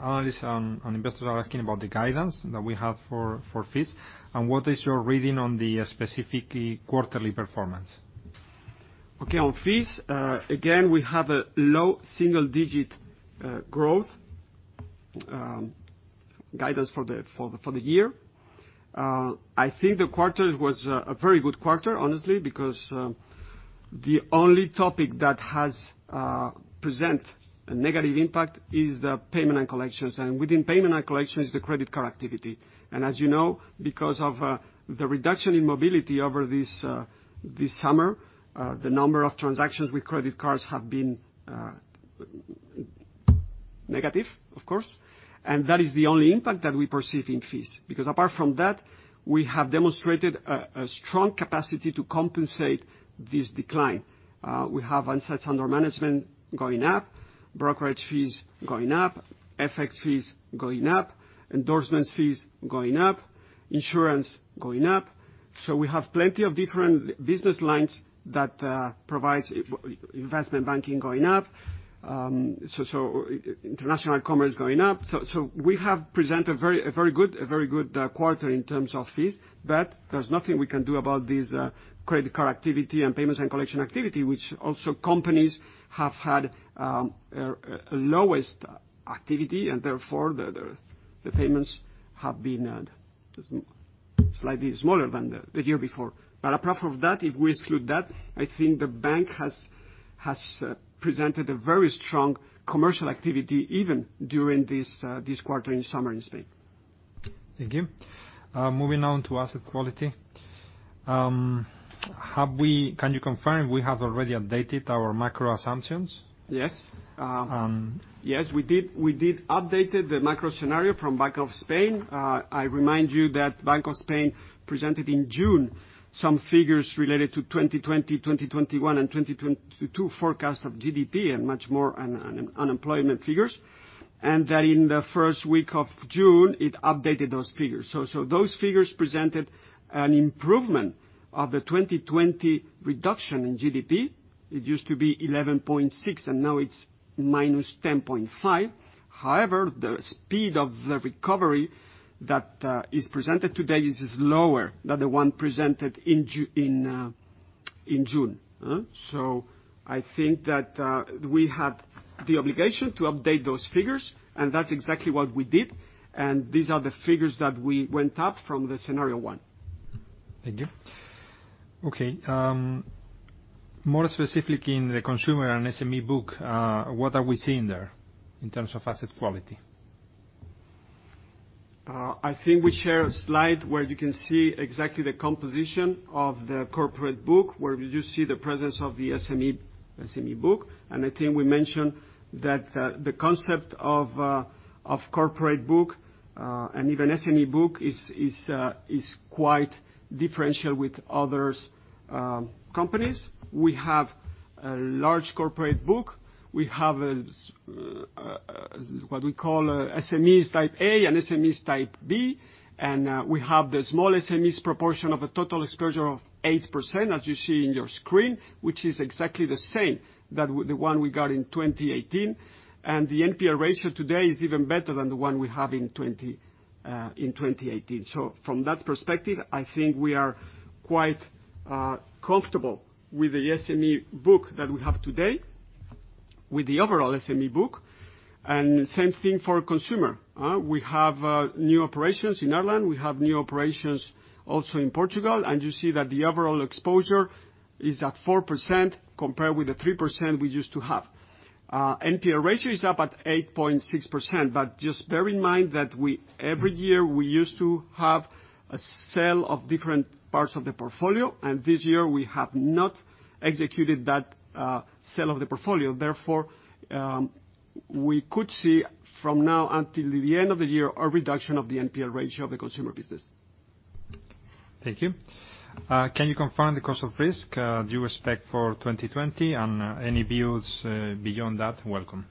Speaker 1: analysts and investors are asking about the guidance that we have for fees, and what is your reading on the specific quarterly performance?
Speaker 2: Okay. On fees, again, we have a low single-digit growth guidance for the year. I think the quarter was a very good quarter, honestly, because the only topic that has present a negative impact is the payment and collections. Within payment and collection is the credit card activity. As you know, because of the reduction in mobility over this summer, the number of transactions with credit cards have been negative, of course. That is the only impact that we perceive in fees, because apart from that, we have demonstrated a strong capacity to compensate this decline. We have assets under management going up, brokerage fees going up, FX fees going up, endorsements fees going up, insurance going up. We have plenty of different business lines that provides investment banking going up, international commerce going up. We have presented a very good quarter in terms of fees, but there's nothing we can do about this credit card activity and payments and collection activity, which also companies have had lowest activity, and therefore, the payments have been down. Slightly smaller than the year before. Apart from that, if we exclude that, I think the bank has presented a very strong commercial activity, even during this quarter in summer in Spain.
Speaker 1: Thank you. Moving on to asset quality. Can you confirm we have already updated our macro assumptions?
Speaker 2: Yes. We did update the macro scenario from Bank of Spain. I remind you that Bank of Spain presented in June some figures related to 2020, 2021, and 2022 forecast of GDP and much more on unemployment figures. That in the first week of June, it updated those figures. Those figures presented an improvement of the 2020 reduction in GDP. It used to be 11.6, and now it's minus 10.5. However, the speed of the recovery that is presented today is lower than the one presented in June. I think that we have the obligation to update those figures, and that's exactly what we did, and these are the figures that we went up from the scenario one.
Speaker 1: Thank you. Okay. More specifically in the consumer and SME book, what are we seeing there in terms of asset quality?
Speaker 2: I think we share a slide where you can see exactly the composition of the corporate book, where you see the presence of the SME book. I think we mentioned that the concept of corporate book, and even SME book, is quite differential with other companies. We have a large corporate book. We have what we call SMEs type A and SMEs type B. We have the small SMEs proportion of a total exposure of 8%, as you see on your screen, which is exactly the same that the one we got in 2018. The NPL ratio today is even better than the one we have in 2018. From that perspective, I think we are quite comfortable with the SME book that we have today, with the overall SME book. Same thing for consumer. We have new operations in Ireland. We have new operations also in Portugal. You see that the overall exposure is at 4%, compared with the 3% we used to have. NPL ratio is up at 8.6%, but just bear in mind that every year we used to have a sale of different parts of the portfolio, and this year we have not executed that sale of the portfolio. Therefore, we could see from now until the end of the year, a reduction of the NPL ratio of the consumer business.
Speaker 1: Thank you. Can you confirm the cost of risk you expect for 2020, and any views beyond that, welcome?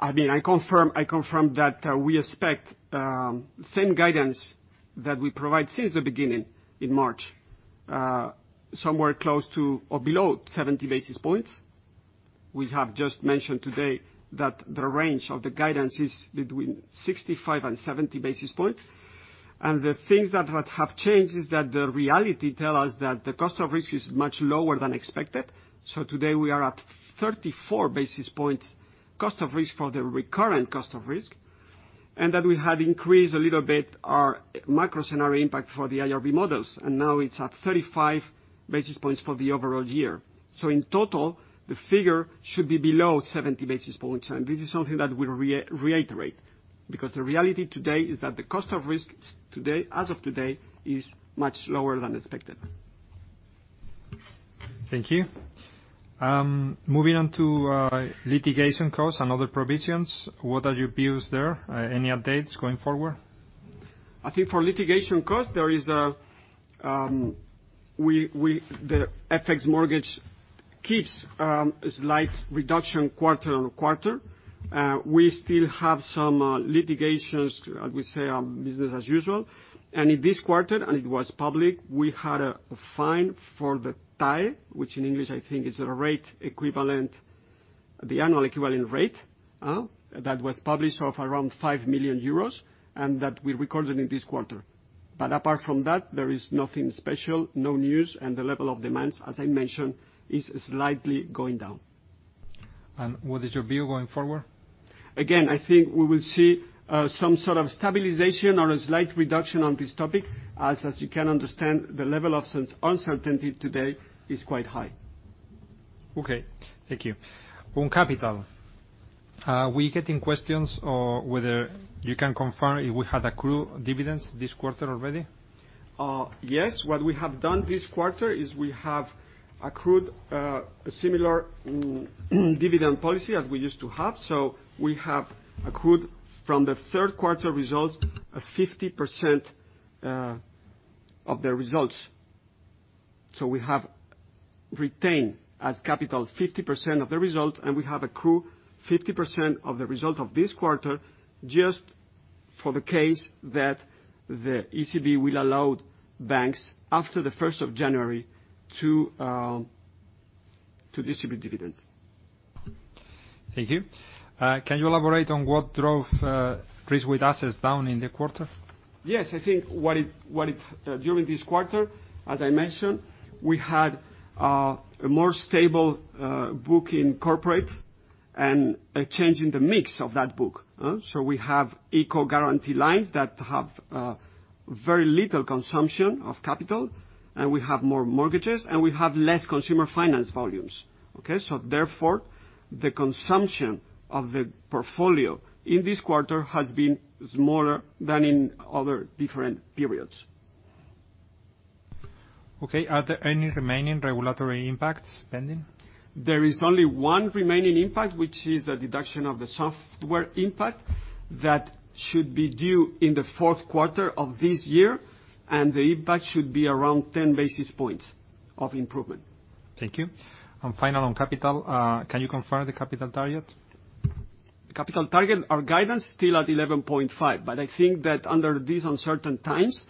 Speaker 2: I confirm that we expect same guidance that we provide since the beginning in March. Somewhere close to or below 70 basis points. We have just mentioned today that the range of the guidance is between 65 and 70 basis points. The things that have changed is that the reality tell us that the cost of risk is much lower than expected. Today we are at 34 basis points cost of risk for the recurrent cost of risk. That we had increased a little bit our macro scenario impact for the IRB models, and now it's at 35 basis points for the overall year. In total, the figure should be below 70 basis points. This is something that we'll reiterate, because the reality today is that the cost of risk as of today, is much lower than expected.
Speaker 1: Thank you. Moving on to litigation costs and other provisions. What are your views there? Any updates going forward?
Speaker 2: I think for litigation costs, the FX mortgage keeps a slight reduction quarter on quarter. We still have some litigations, I would say business as usual. In this quarter, and it was public, we had a fine for the TAE, which in English I think is the annual equivalent rate, that was published of around 5 million euros, and that we recorded in this quarter. Apart from that, there is nothing special, no news, and the level of demands, as I mentioned, is slightly going down.
Speaker 1: What is your view going forward?
Speaker 2: I think we will see some sort of stabilization or a slight reduction on this topic. As you can understand, the level of uncertainty today is quite high.
Speaker 1: Okay. Thank you. On capital, we're getting questions on whether you can confirm if we had accrued dividends this quarter already.
Speaker 2: Yes. What we have done this quarter is we have accrued a similar dividend policy as we used to have. We have accrued from the third quarter results, a 50% of the results. We have retained as capital 50% of the result, and we have accrued 50% of the result of this quarter just for the case that the ECB will allow banks after the 1st of January to distribute dividends.
Speaker 1: Thank you. Can you elaborate on what drove risk-weighted assets down in the quarter?
Speaker 2: Yes. I think during this quarter, as I mentioned, we had a more stable book in corporate and a change in the mix of that book. We have ICO guarantee lines that have very little consumption of capital, and we have more mortgages, and we have less consumer finance volumes. Okay. Therefore, the consumption of the portfolio in this quarter has been smaller than in other different periods.
Speaker 1: Okay. Are there any remaining regulatory impacts pending?
Speaker 2: There is only one remaining impact, which is the deduction of the software impact that should be due in the fourth quarter of this year. The impact should be around 10 basis points of improvement.
Speaker 1: Thank you. Final on capital, can you confirm the capital target?
Speaker 2: Capital target, our guidance still at 11.5%. I think that under these uncertain times,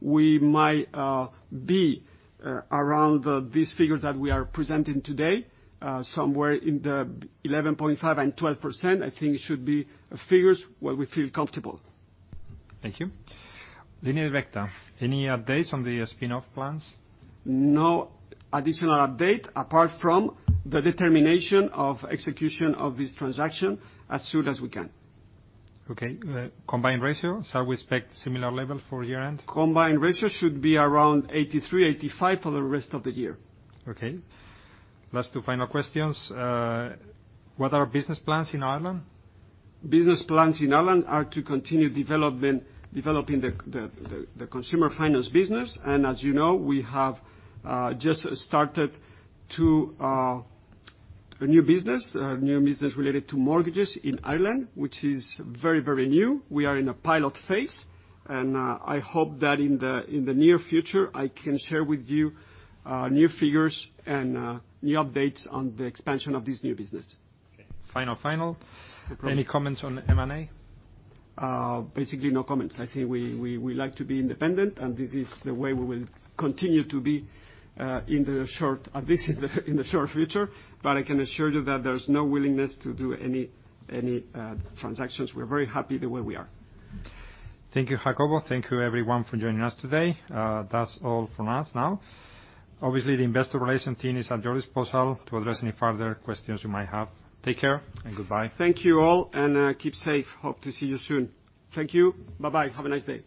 Speaker 2: we might be around these figures that we are presenting today, somewhere in the 11.5% and 12%, I think it should be figures where we feel comfortable.
Speaker 1: Thank you. Línea Directa, any updates on the spin-off plans?
Speaker 2: No additional update apart from the determination of execution of this transaction as soon as we can.
Speaker 1: Okay. Combined ratio, shall we expect similar level for year-end?
Speaker 2: Combined ratio should be around 83%-85% for the rest of the year.
Speaker 1: Okay. Last two final questions. What are business plans in Ireland?
Speaker 2: Business plans in Ireland are to continue developing the consumer finance business. As you know, we have just started a new business related to mortgages in Ireland, which is very new. We are in a pilot phase, and I hope that in the near future, I can share with you new figures and new updates on the expansion of this new business.
Speaker 1: Okay. Final. Any comments on M&A?
Speaker 2: Basically, no comments. I think we like to be independent. This is the way we will continue to be at least in the short future. I can assure you that there's no willingness to do any transactions. We're very happy the way we are.
Speaker 1: Thank you, Jacobo. Thank you, everyone, for joining us today. That's all from us now. Obviously, the investor relation team is at your disposal to address any further questions you might have. Take care, and goodbye.
Speaker 2: Thank you all, and keep safe. Hope to see you soon. Thank you. Bye-bye. Have a nice day.